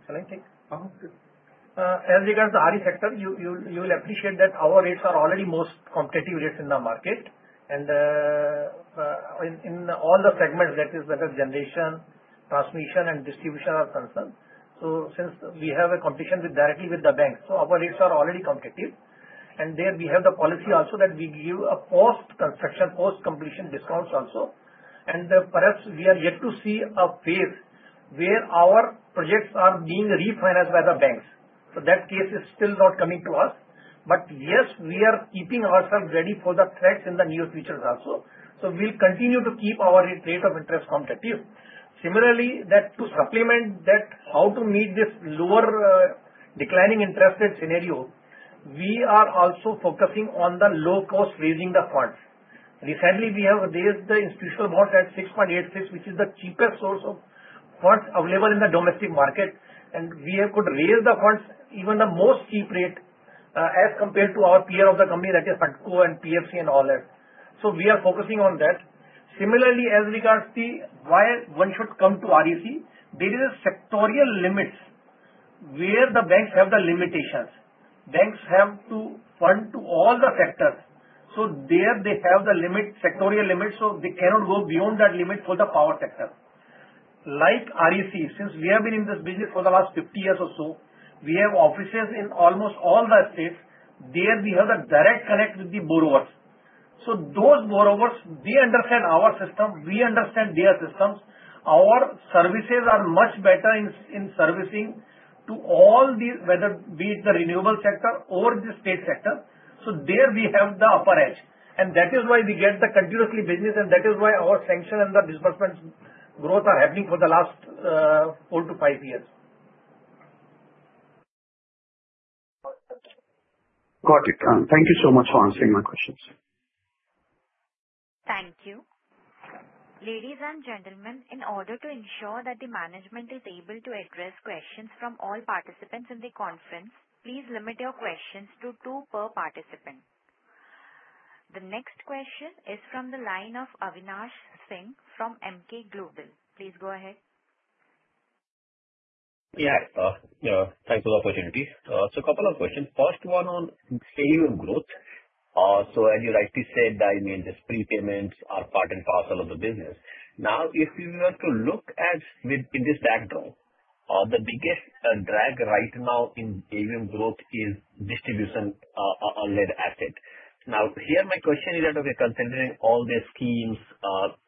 Can I take? As regards the RE sector, you will appreciate that our rates are already most competitive rates in the market. And in all the segments, that is, generation, transmission, and distribution, are concerned. So since we have a competition directly with the banks, so our rates are already competitive. And there we have the policy also that we give a post-construction, post-completion discounts also. And perhaps we are yet to see a phase where our projects are being refinanced by the banks. So that case is still not coming to us. But yes, we are keeping ourselves ready for the threats in the near future also. So we'll continue to keep our rate of interest competitive. Similarly, to supplement that how to meet this lower declining interest rate scenario, we are also focusing on the low-cost raising the funds. Recently, we have raised the institutional bonds at 6.86%, which is the cheapest source of funds available in the domestic market, and we could raise the funds, even the most cheap rate, as compared to our peer of the company, that is HUDCO and PFC and all that, so we are focusing on that. Similarly, as regards to why one should come to REC, there is a sectoral limit where the banks have the limitations. Banks have to fund to all the sectors, so there they have the limit, sectoral limit, so they cannot go beyond that limit for the power sector. Like REC, since we have been in this business for the last 50 years or so, we have offices in almost all the states. There we have the direct connect with the borrowers. So those borrowers, they understand our system. We understand their systems. Our services are much better in servicing to all these, whether be it the renewable sector or the state sector. So there we have the upper edge. And that is why we get the continuously business. And that is why our sanction and the disbursement growth are happening for the last four to five years. Got it. Thank you so much for answering my questions. Thank you. Ladies and gentlemen, in order to ensure that the management is able to address questions from all participants in the conference, please limit your questions to two per participant. The next question is from the line of Avinash Singh from Emkay Global. Please go ahead. Yeah, thanks for the opportunity. So a couple of questions. First one on AUM growth. So as you rightly said, I mean, these prepayments are part and parcel of the business. Now, if you were to look at within this backdrop, the biggest drag right now in AUM growth is distribution-led asset. Now, here my question is that, okay, considering all these schemes,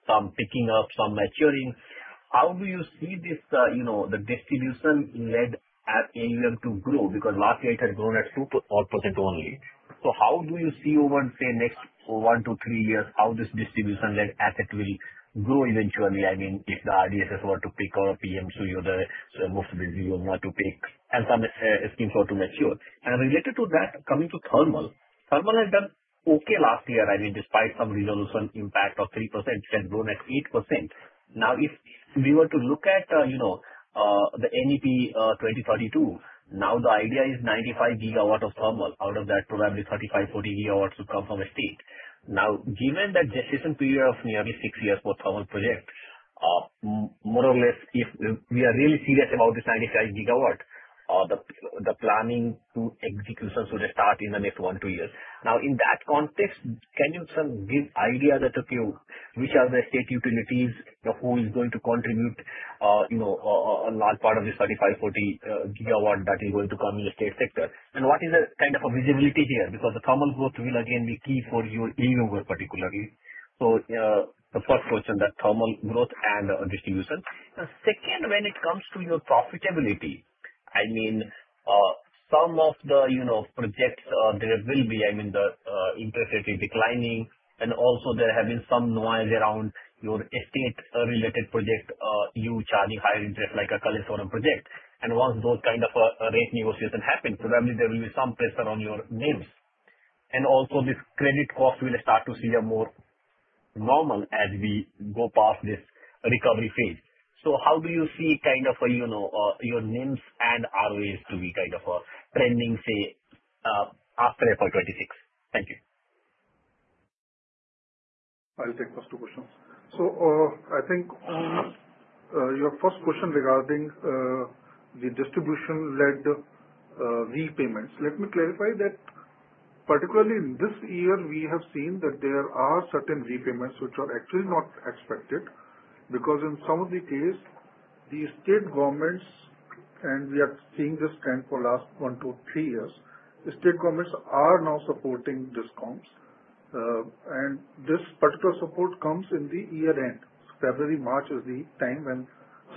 some picking up, some maturing, how do you see this, the distribution-led AUM to grow? Because last year it had grown at 2% only. So how do you see over, say, next one to three years how this distribution-led asset will grow eventually? I mean, if the RDSS were to pick or PMC or the most busy one to pick and some schemes were to mature. And related to that, coming to thermal, thermal had done okay last year. I mean, despite some resolution impact of 3%, it had grown at 8%. Now, if we were to look at the NEP 2032, now the idea is 95 GW of thermal. Out of that, probably 35-40 GW would come from a state. Now, given that gestation period of nearly six years for thermal projects, more or less, if we are really serious about this 95 GW, the planning to execution should start in the next one to two years. Now, in that context, can you give idea that okay, which are the state utilities, who is going to contribute a large part of this 35-40 GW that is going to come in the state sector? And what is the kind of visibility here? Because the thermal growth will again be key for your AUM growth particularly. So the first question, that thermal growth and distribution. Second, when it comes to your profitability, I mean, some of the projects there will be, I mean, the interest rate is declining. And also, there have been some noise around your state-related project, you charging higher interest like a Kaleshwaram project. And once those kind of rate negotiations happen, probably there will be some pressure on your NIMS. And also, this credit cost will start to see a more normal as we go past this recovery phase. So how do you see kind of your NIMS and ROAs to be kind of trending, say, after FY26? Thank you. I'll take the first two questions. I think on your first question regarding the distribution-led repayments, let me clarify that particularly this year, we have seen that there are certain repayments which are actually not expected because in some of the cases, the state governments, and we are seeing this trend for the last one to three years, state governments are now supporting DISCOMs. This particular support comes in the year-end. February, March is the time when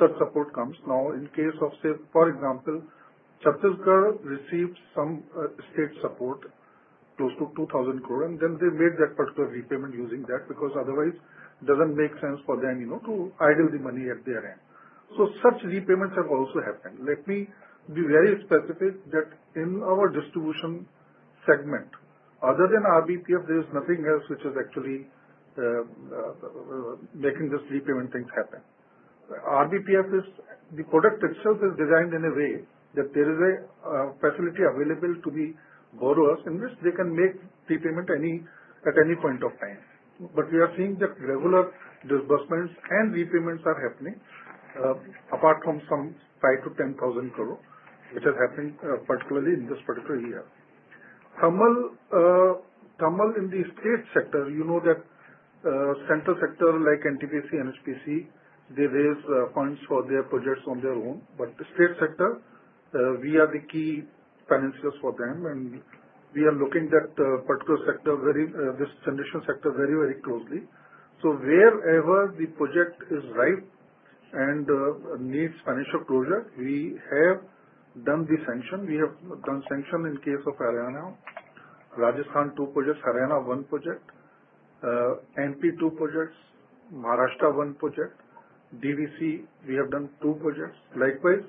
such support comes. Now, in case of, say, for example, Chhattisgarh received some state support close to 2,000 crore, and then they made that particular repayment using that because otherwise it doesn't make sense for them to idle the money at their end. Such repayments have also happened. Let me be very specific that in our distribution segment, other than RBPF, there is nothing else which is actually making these repayment things happen. RBPF is the product itself is designed in a way that there is a facility available to the borrowers in which they can make repayment at any point of time. But we are seeing that regular disbursements and repayments are happening apart from some 5,000-10,000 crore, which is happening particularly in this particular year. Thermal in the state sector, you know that central sector like NTPC, NHPC, they raise funds for their projects on their own. But the state sector, we are the key financiers for them. And we are looking at the particular sector, this generation sector, very, very closely. So wherever the project is ripe and needs financial closure, we have done the sanction. We have done sanction in case of Haryana, Rajasthan two projects, Haryana one project, NTPC two projects, Maharashtra one project, DVC, we have done two projects. Likewise,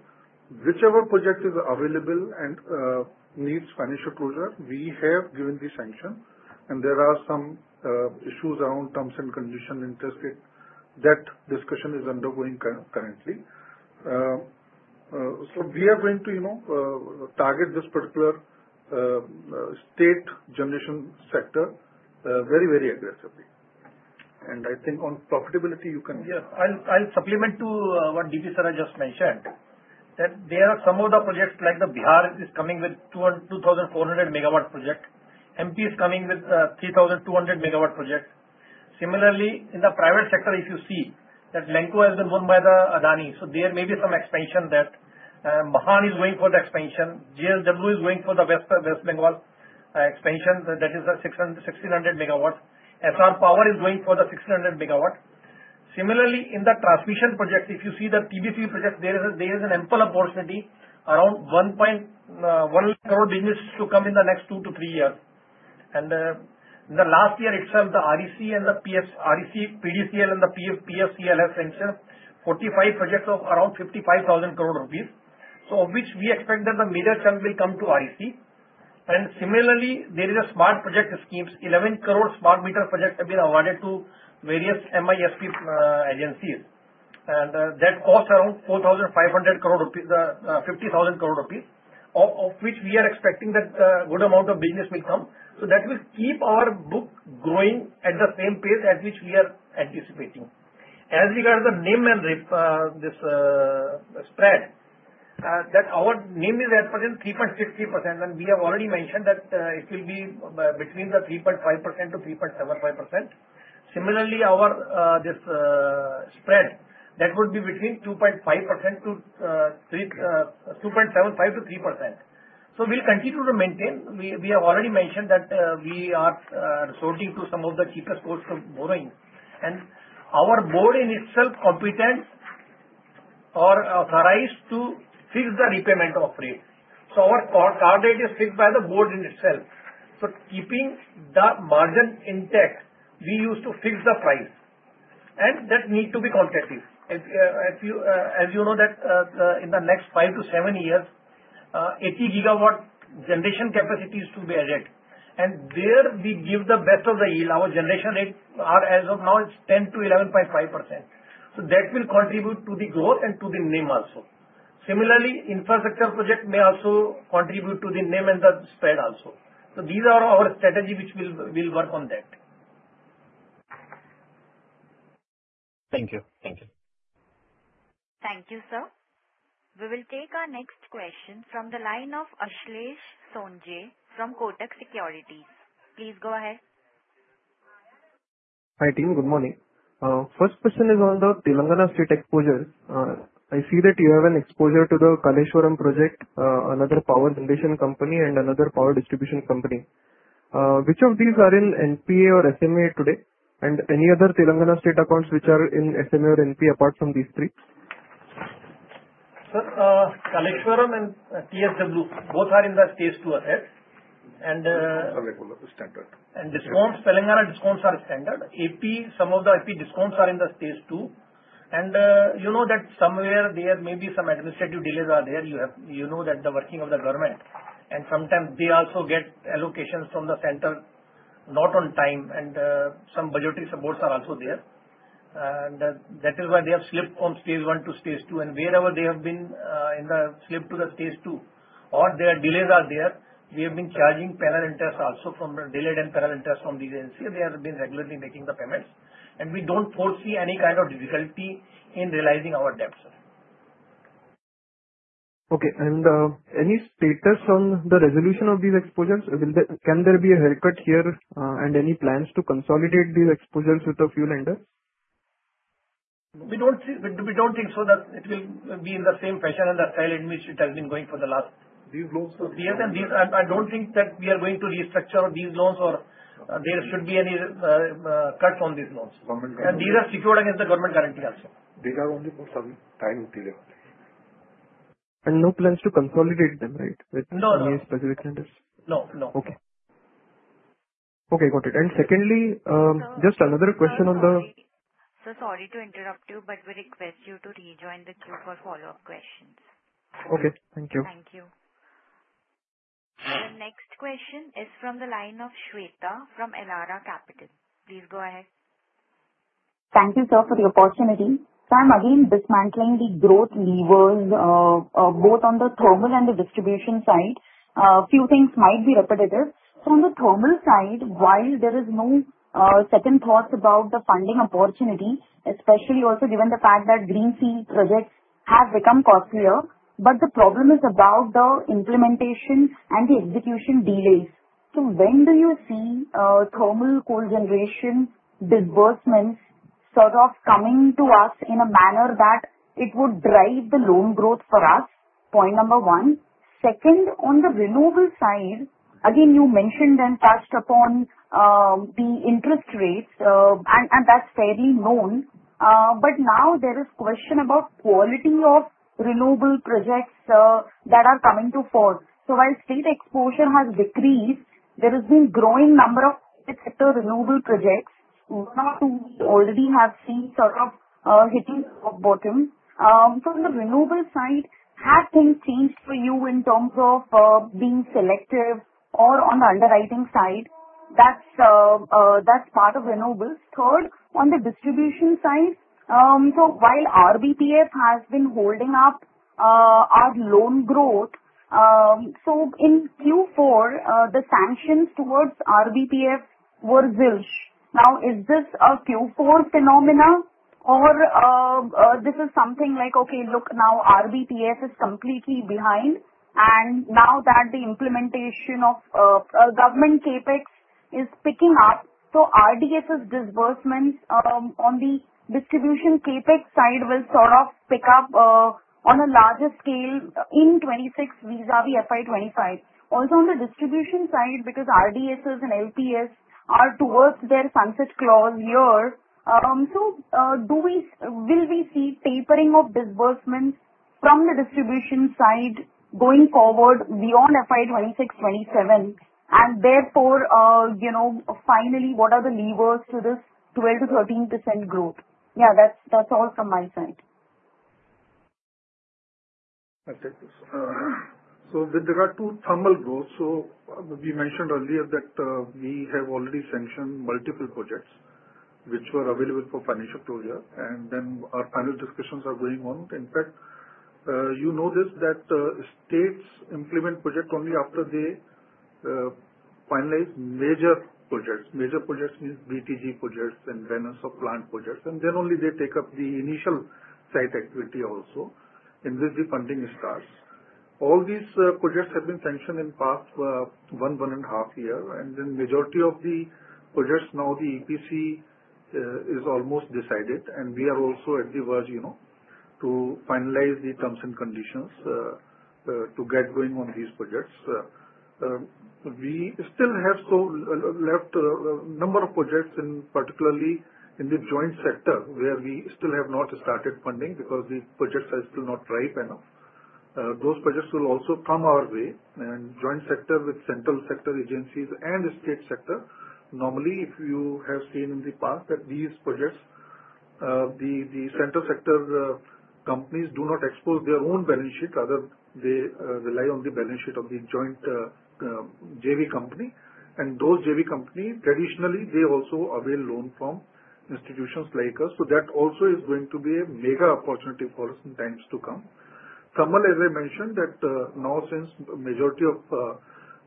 whichever project is available and needs financial closure, we have given the sanction. And there are some issues around terms and conditions, interest rate that discussion is undergoing currently. So we are going to target this particular state generation sector very, very aggressively. And I think on profitability, you can get. Yeah, I'll supplement to what DP sir has just mentioned that there are some of the projects like the Bihar is coming with 2,400 MW project. MP is coming with 3,200 MW project. Similarly, in the private sector, if you see that Lanco has been won by the Adani. So there may be some expansion that Mahan is going for the expansion. JSW is going for the West Bengal expansion. That is 1,600 MW. Essar Power is going for the 1,600 MW. Similarly, in the transmission project, if you see the TBCB project, there is an ample opportunity around one crore business to come in the next two to three years. And in the last year itself, the RECPDCL and the PFC have sanctioned 45 projects of around 55,000 crore rupees, of which we expect that the major chunk will come to REC. And similarly, there is a smart meter project schemes. 11 crore smart meter projects have been awarded to various MISP agencies. And that costs around 50,000 crore rupees, of which we are expecting that a good amount of business will come. So that will keep our book growing at the same pace at which we are anticipating. As regards the NIM and RIP, this spread, that our NIM is at present 3.63%. And we have already mentioned that it will be between 3.5%-3.75%. Similarly, our this spread, that would be between 2.5% to 2.75% to 3%. So we'll continue to maintain. We have already mentioned that we are resorting to some of the cheapest costs of borrowing. And our board in itself competent or authorized to fix the repayment of rate. So our card rate is fixed by the board in itself. So keeping the margin intact, we use to fix the price. And that need to be competitive. As you know, that in the next five to seven years, 80 GW generation capacity is to be added. And there we give the best of the yield. Our generation rate as of now is 10%-11.5%. So that will contribute to the growth and to the NIM also. Similarly, infrastructure project may also contribute to the NIM and the spread also. So these are our strategy which we'll work on that. Thank you. Thank you. Thank you, sir. We will take our next question from the line of Ashlesh Sonje from Kotak Securities. Please go ahead. Hi team, good morning. First question is on the Telangana State Exposure. I see that you have an exposure to the Kaleshwaram project, another power generation company, and another power distribution company. Which of these are in NPA or SMA today? And any other Telangana State accounts which are in SMA or NPA apart from these three? Sir, Kaleshwaram and TSWRIDC, both are in the stage two assets. And DISCOMs, Telangana DISCOMs are standard. AP, some of the AP DISCOMs are in the stage two. And you know that somewhere there may be some administrative delays out there. You know that the working of the government. And sometimes they also get allocations from the center not on time. And some budgetary supports are also there. And that is why they have slipped from stage one to stage two. And wherever they have been in the slip to the stage two, or there are delays out there, we have been charging penal interest also for delayed and penal interest from these agencies. They have been regularly making the payments. And we don't foresee any kind of difficulty in realizing our debts, sir. Okay. And any status on the resolution of these exposures? Can there be a haircut here? And any plans to consolidate these exposures with a few lenders? We don't think so that it will be in the same fashion and the style in which it has been going for the last years. And I don't think that we are going to restructure these loans or there should be any cuts on these loans. And these are secured against the government guarantee also. They are only for some time delay. And no plans to consolidate them, right? With any specific lenders? No, no. Okay. Okay, got it. And secondly, just another question on the. Sir, sorry to interrupt you, but we request you to rejoin the queue for follow-up questions. Okay. Thank you. Thank you. The next question is from the line of Shweta from Elara Capital. Please go ahead. Thank you, sir, for the opportunity. Sir, I'm again dismantling the growth levers both on the thermal and the distribution side. A few things might be repetitive. So on the thermal side, while there is no second thought about the funding opportunity, especially also given the fact that greenfield projects have become costlier, but the problem is about the implementation and the execution delays. So when do you see thermal coal generation disbursements sort of coming to us in a manner that it would drive the loan growth for us? Point number one. Second, on the renewable side, again, you mentioned and touched upon the interest rates, and that's fairly known. But now there is a question about the quality of renewable projects that are coming to the fore. So while state exposure has decreased, there has been a growing number of state sector renewable projects. One or two we already have seen sort of hitting the bottom. So on the renewable side, have things changed for you in terms of being selective or on the underwriting side? That's part of renewables. Third, on the distribution side, so while RBPF has been holding up our loan growth, so in Q4, the sanctions towards RBPF were zilch. Now, is this a Q4 phenomenon, or this is something like, okay, look, now RBPF is completely behind, and now that the implementation of government CapEx is picking up, so RDSS disbursements on the distribution CapEx side will sort of pick up on a larger scale in 26 vis-à-vis FY25. Also, on the distribution side, because RDSS and LPS are towards their sunset clause year, so will we see tapering of disbursements from the distribution side going forward beyond FY26, 27? And therefore, finally, what are the levers to this 12%-13% growth? Yeah, that's all from my side. Okay. So there are two thermal growths. So we mentioned earlier that we have already sanctioned multiple projects which were available for financial closure. And then our final discussions are going on. In fact, you know this, that states implement projects only after they finalize major projects. Major projects means BTG projects and balance of plant projects. Then only they take up the initial site activity also, in which the funding starts. All these projects have been sanctioned in the past one, one and a half years. Then the majority of the projects now, the EPC is almost decided. And we are also on the verge to finalize the terms and conditions to get going on these projects. We still have left a number of projects, particularly in the joint sector, where we still have not started funding because the projects are still not ripe enough. Those projects will also come our way. Joint sector with central sector agencies and the state sector, normally, if you have seen in the past that these projects, the central sector companies do not expose their own balance sheet. Rather, they rely on the balance sheet of the joint JV company. And those JV companies, traditionally, they also avail loans from institutions like us. So that also is going to be a mega opportunity for us in times to come. Thermal, as I mentioned, that now since the majority of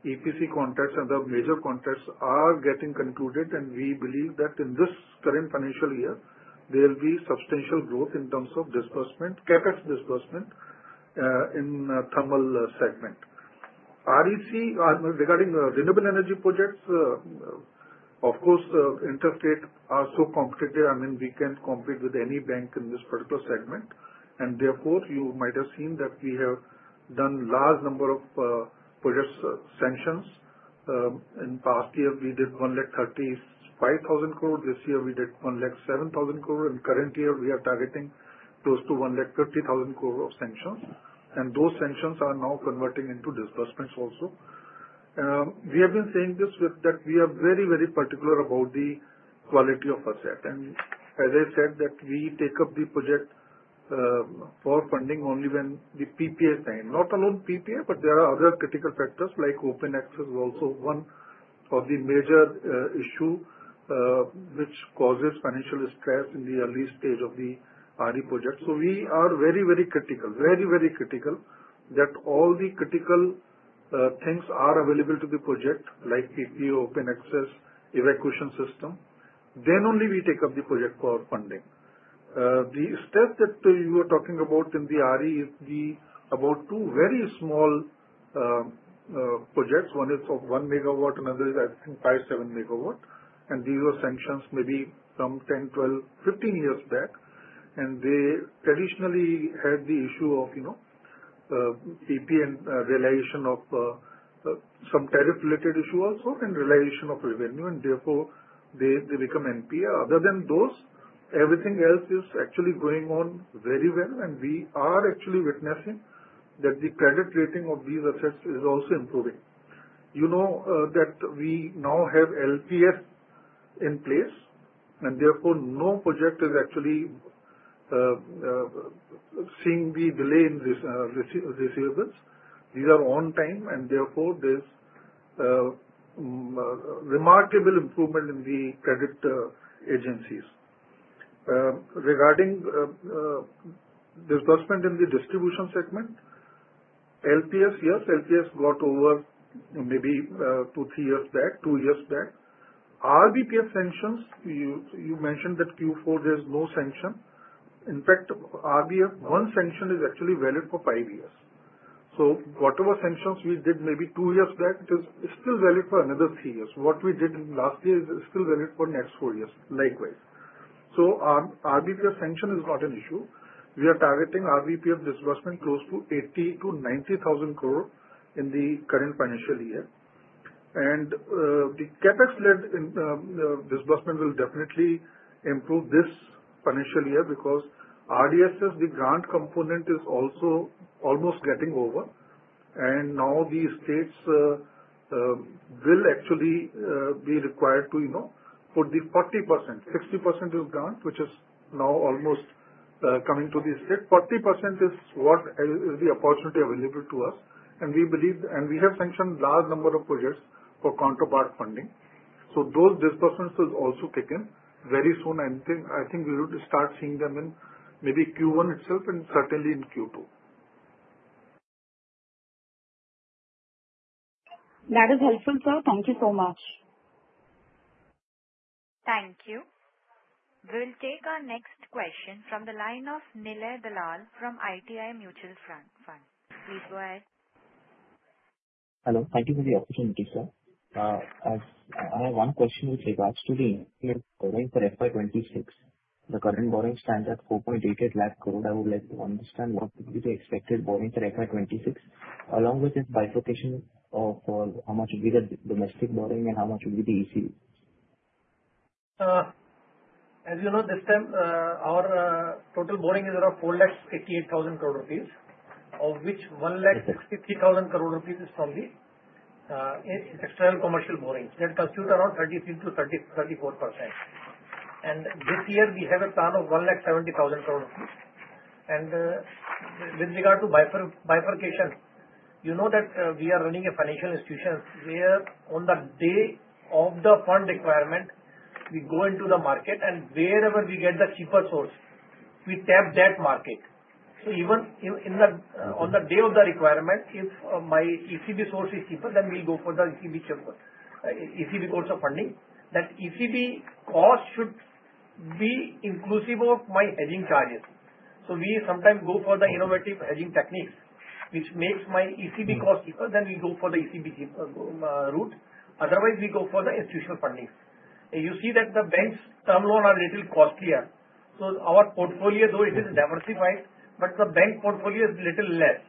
EPC contracts and the major contracts are getting concluded, and we believe that in this current financial year, there will be substantial growth in terms of CapEx disbursement in the thermal segment. Regarding renewable energy projects, of course, interstate are so competitive. I mean, we can compete with any bank in this particular segment. And therefore, you might have seen that we have done a large number of project sanctions. In the past year, we did 135,000 crore. This year, we did 107,000 crore. In the current year, we are targeting close to 150,000 crore of sanctions. And those sanctions are now converting into disbursements also. We have been saying this that we are very, very particular about the quality of asset. And as I said, that we take up the project for funding only when the PPA sign. Not alone PPA, but there are other critical factors like open access is also one of the major issues which causes financial stress in the early stage of the RE project. So we are very, very critical, very, very critical that all the critical things are available to the project, like PPA, open access, evacuation system. Then only we take up the project for funding. The stress that you are talking about in the RE is about two very small projects. One is of 1 MW, another is, I think, 5-7 MW. And these were sanctions maybe from 10, 12, 15 years back. And they traditionally had the issue of PPA and realization of some tariff-related issue also and realization of revenue. And therefore, they become NPA. Other than those, everything else is actually going on very well. And we are actually witnessing that the credit rating of these assets is also improving. You know that we now have LPS in place. And therefore, no project is actually seeing the delay in receivables. These are on time. And therefore, there's remarkable improvement in the credit agencies. Regarding disbursement in the distribution segment, LPS, yes, LPS got over maybe two, three years back, two years back. RBPF sanctions, you mentioned that Q4 there's no sanction. In fact, RBPF, one sanction is actually valid for five years. So whatever sanctions we did maybe two years back, it is still valid for another three years. What we did last year is still valid for next four years, likewise. So RBPF sanction is not an issue. We are targeting RBPF disbursement close to 80,000-90,000 crore in the current financial year. And the CapEx-led disbursement will definitely improve this financial year because RDSS, the grant component, is also almost getting over, and now the states will actually be required to put the 40%; 60% is grant, which is now almost coming to the state. 40% is what is the opportunity available to us. And we believe and we have sanctioned a large number of projects for counterpart funding. So those disbursements will also kick in very soon. I think we will start seeing them in maybe Q1 itself and certainly in Q2. That is helpful, sir. Thank you so much. Thank you. We'll take our next question from the line of Nilay Dalal from ITI Mutual Fund. Please go ahead. Hello. Thank you for the opportunity, sir. I have one question with regards to the current borrowing for FY26. The current borrowing stands at 4.88 lakh crore. I would like to understand what would be the expected borrowing for FY26, along with its bifurcation of how much would be the domestic borrowing and how much would be the ECB? As you know, this time, our total borrowing is around 488,000 crore rupees, of which 163,000 crore rupees is from the external commercial borrowing. That constitutes around 33%-34%. And this year, we have a plan of 170,000 crore. With regard to bifurcation, you know that we are running a financial institution where on the day of the fund requirement, we go into the market, and wherever we get the cheaper source, we tap that market. So even on the day of the requirement, if my ECB source is cheaper, then we'll go for the ECB course of funding. That ECB cost should be inclusive of my hedging charges. So we sometimes go for the innovative hedging techniques, which makes my ECB cost cheaper. Then we go for the ECB route. Otherwise, we go for the institutional funding. You see that the banks' term loans are a little costlier. So our portfolio, though, it is diversified, but the bank portfolio is a little less.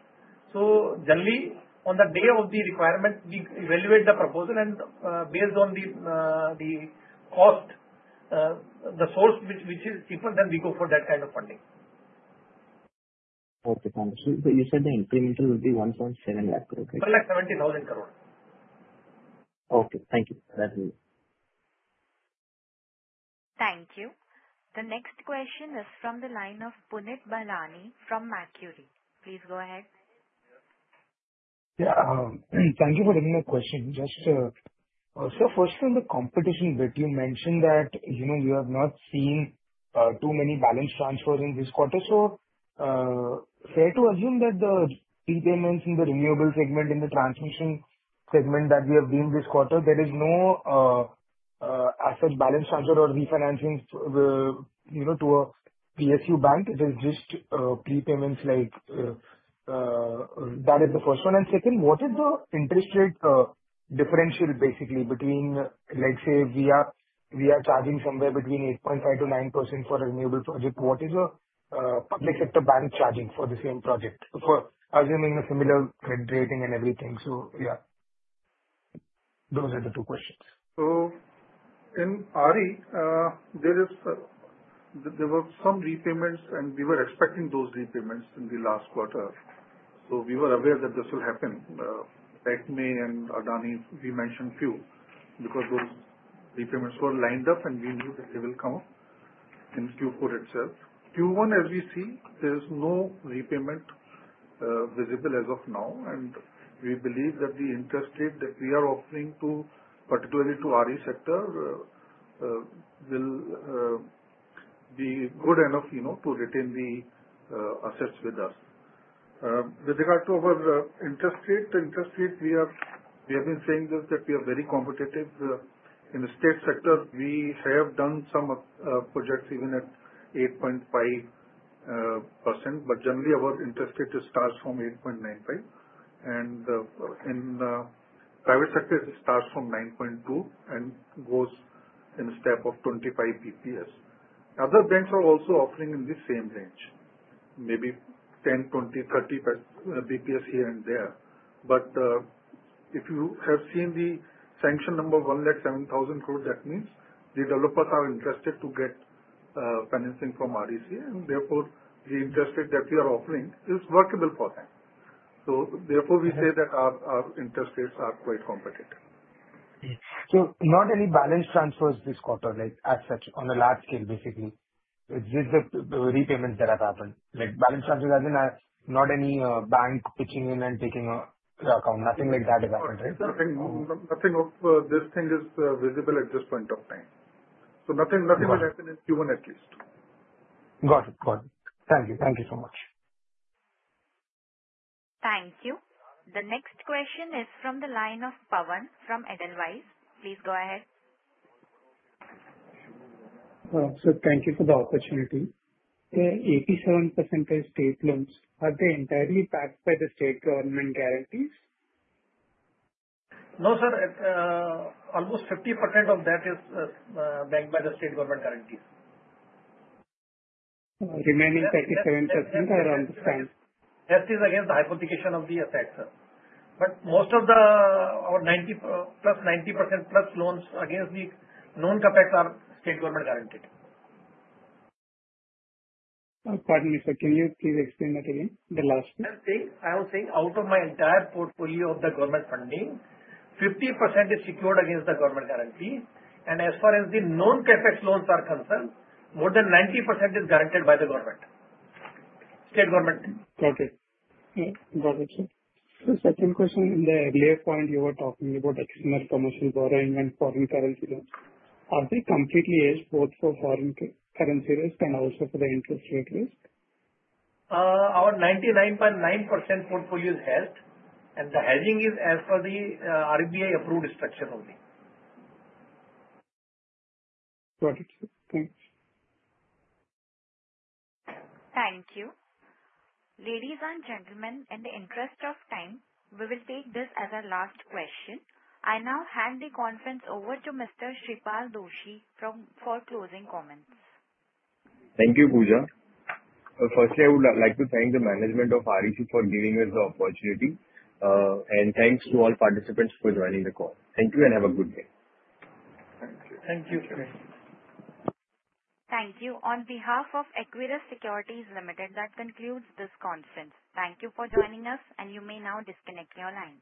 So generally, on the day of the requirement, we evaluate the proposal, and based on the cost, the source which is cheaper, then we go for that kind of funding. Okay. Thank you. So you said the incremental will be 170,000 crore? 170,000 crore. Okay. Thank you. That's it. Thank you. The next question is from the line of Punit Bahlani from Macquarie. Please go ahead. Yeah. Thank you for the question. So first, on the competition bit, you mentioned that we have not seen too many balance transfers in this quarter. So fair to assume that the prepayments in the renewable segment, in the transmission segment that we have been this quarter, there is no asset balance transfer or refinancing to a PSU bank. It is just prepayments like that is the first one. And second, what is the interest rate differential, basically, between, let's say, we are charging somewhere between 8.5%-9% for a renewable project? What is a public sector bank charging for the same project, assuming a similar credit rating and everything? So yeah, those are the two questions. So in RE, there were some repayments, and we were expecting those repayments in the last quarter. So we were aware that this will happen. Emkay and Adani, we mentioned few because those repayments were lined up, and we knew that they will come up in Q4 itself. Q1, as we see, there is no repayment visible as of now. And we believe that the interest rate that we are offering, particularly to RE sector, will be good enough to retain the assets with us. With regard to our interest rate, we have been saying that we are very competitive. In the state sector, we have done some projects even at 8.5%. But generally, our interest rate starts from 8.95%. In the private sector, it starts from 9.2% and goes in a step of 25 basis points. Other banks are also offering in the same range, maybe 10, 20, 30 basis points here and there. But if you have seen the sanction number 107,000 crore, that means developers are interested to get financing from REC. Therefore, the interest rate that we are offering is workable for them. So we say that our interest rates are quite competitive. So not any balance transfers this quarter, like assets on a large scale, basically. It's just the repayments that have happened. Balance transfers as in not any bank pitching in and taking account, nothing like that has happened, right? Nothing of this thing is visible at this point of time. So nothing will happen in Q1 at least. Got it. Got it. Thank you. Thank you so much. Thank you. The next question is from the line of Pawan from Edelweiss. Please go ahead. So thank you for the opportunity. The 87% of state loans, are they entirely backed by the state government guarantees? No, sir. Almost 50% of that is backed by the state government guarantees. Remaining 37%, I understand. That is against the hypothecation of the assets. But most of the plus 90% plus loans against the non-CapEx are state government guaranteed. Pardon me, sir. Can you please explain that again? The last. I am saying out of my entire portfolio of the government funding, 50% is secured against the government guarantee. And as far as the non-CapEx loans are concerned, more than 90% is guaranteed by the government, state government. Got it. Got it, sir. So second question, in the earlier point, you were talking about external commercial borrowing and foreign currency loans. Are they completely hedged both for foreign currency risk and also for the interest rate risk? Our 99.9% portfolio is hedged. And the hedging is as per the RBI-approved structure only. Got it. Thanks. Thank you. Ladies and gentlemen, in the interest of time, we will take this as our last question. I now hand the conference over to Mr. Shreepal Doshi for closing comments. Thank you, Puja. Thank you. Firstly, I would like to thank the management of REC for giving us the opportunity. And thanks to all participants for joining the call. Thank you and have a good day. Thank you. Thank you. Thank you. On behalf of Equirus Securities Limited, that concludes this conference. Thank you for joining us, and you may now disconnect your line.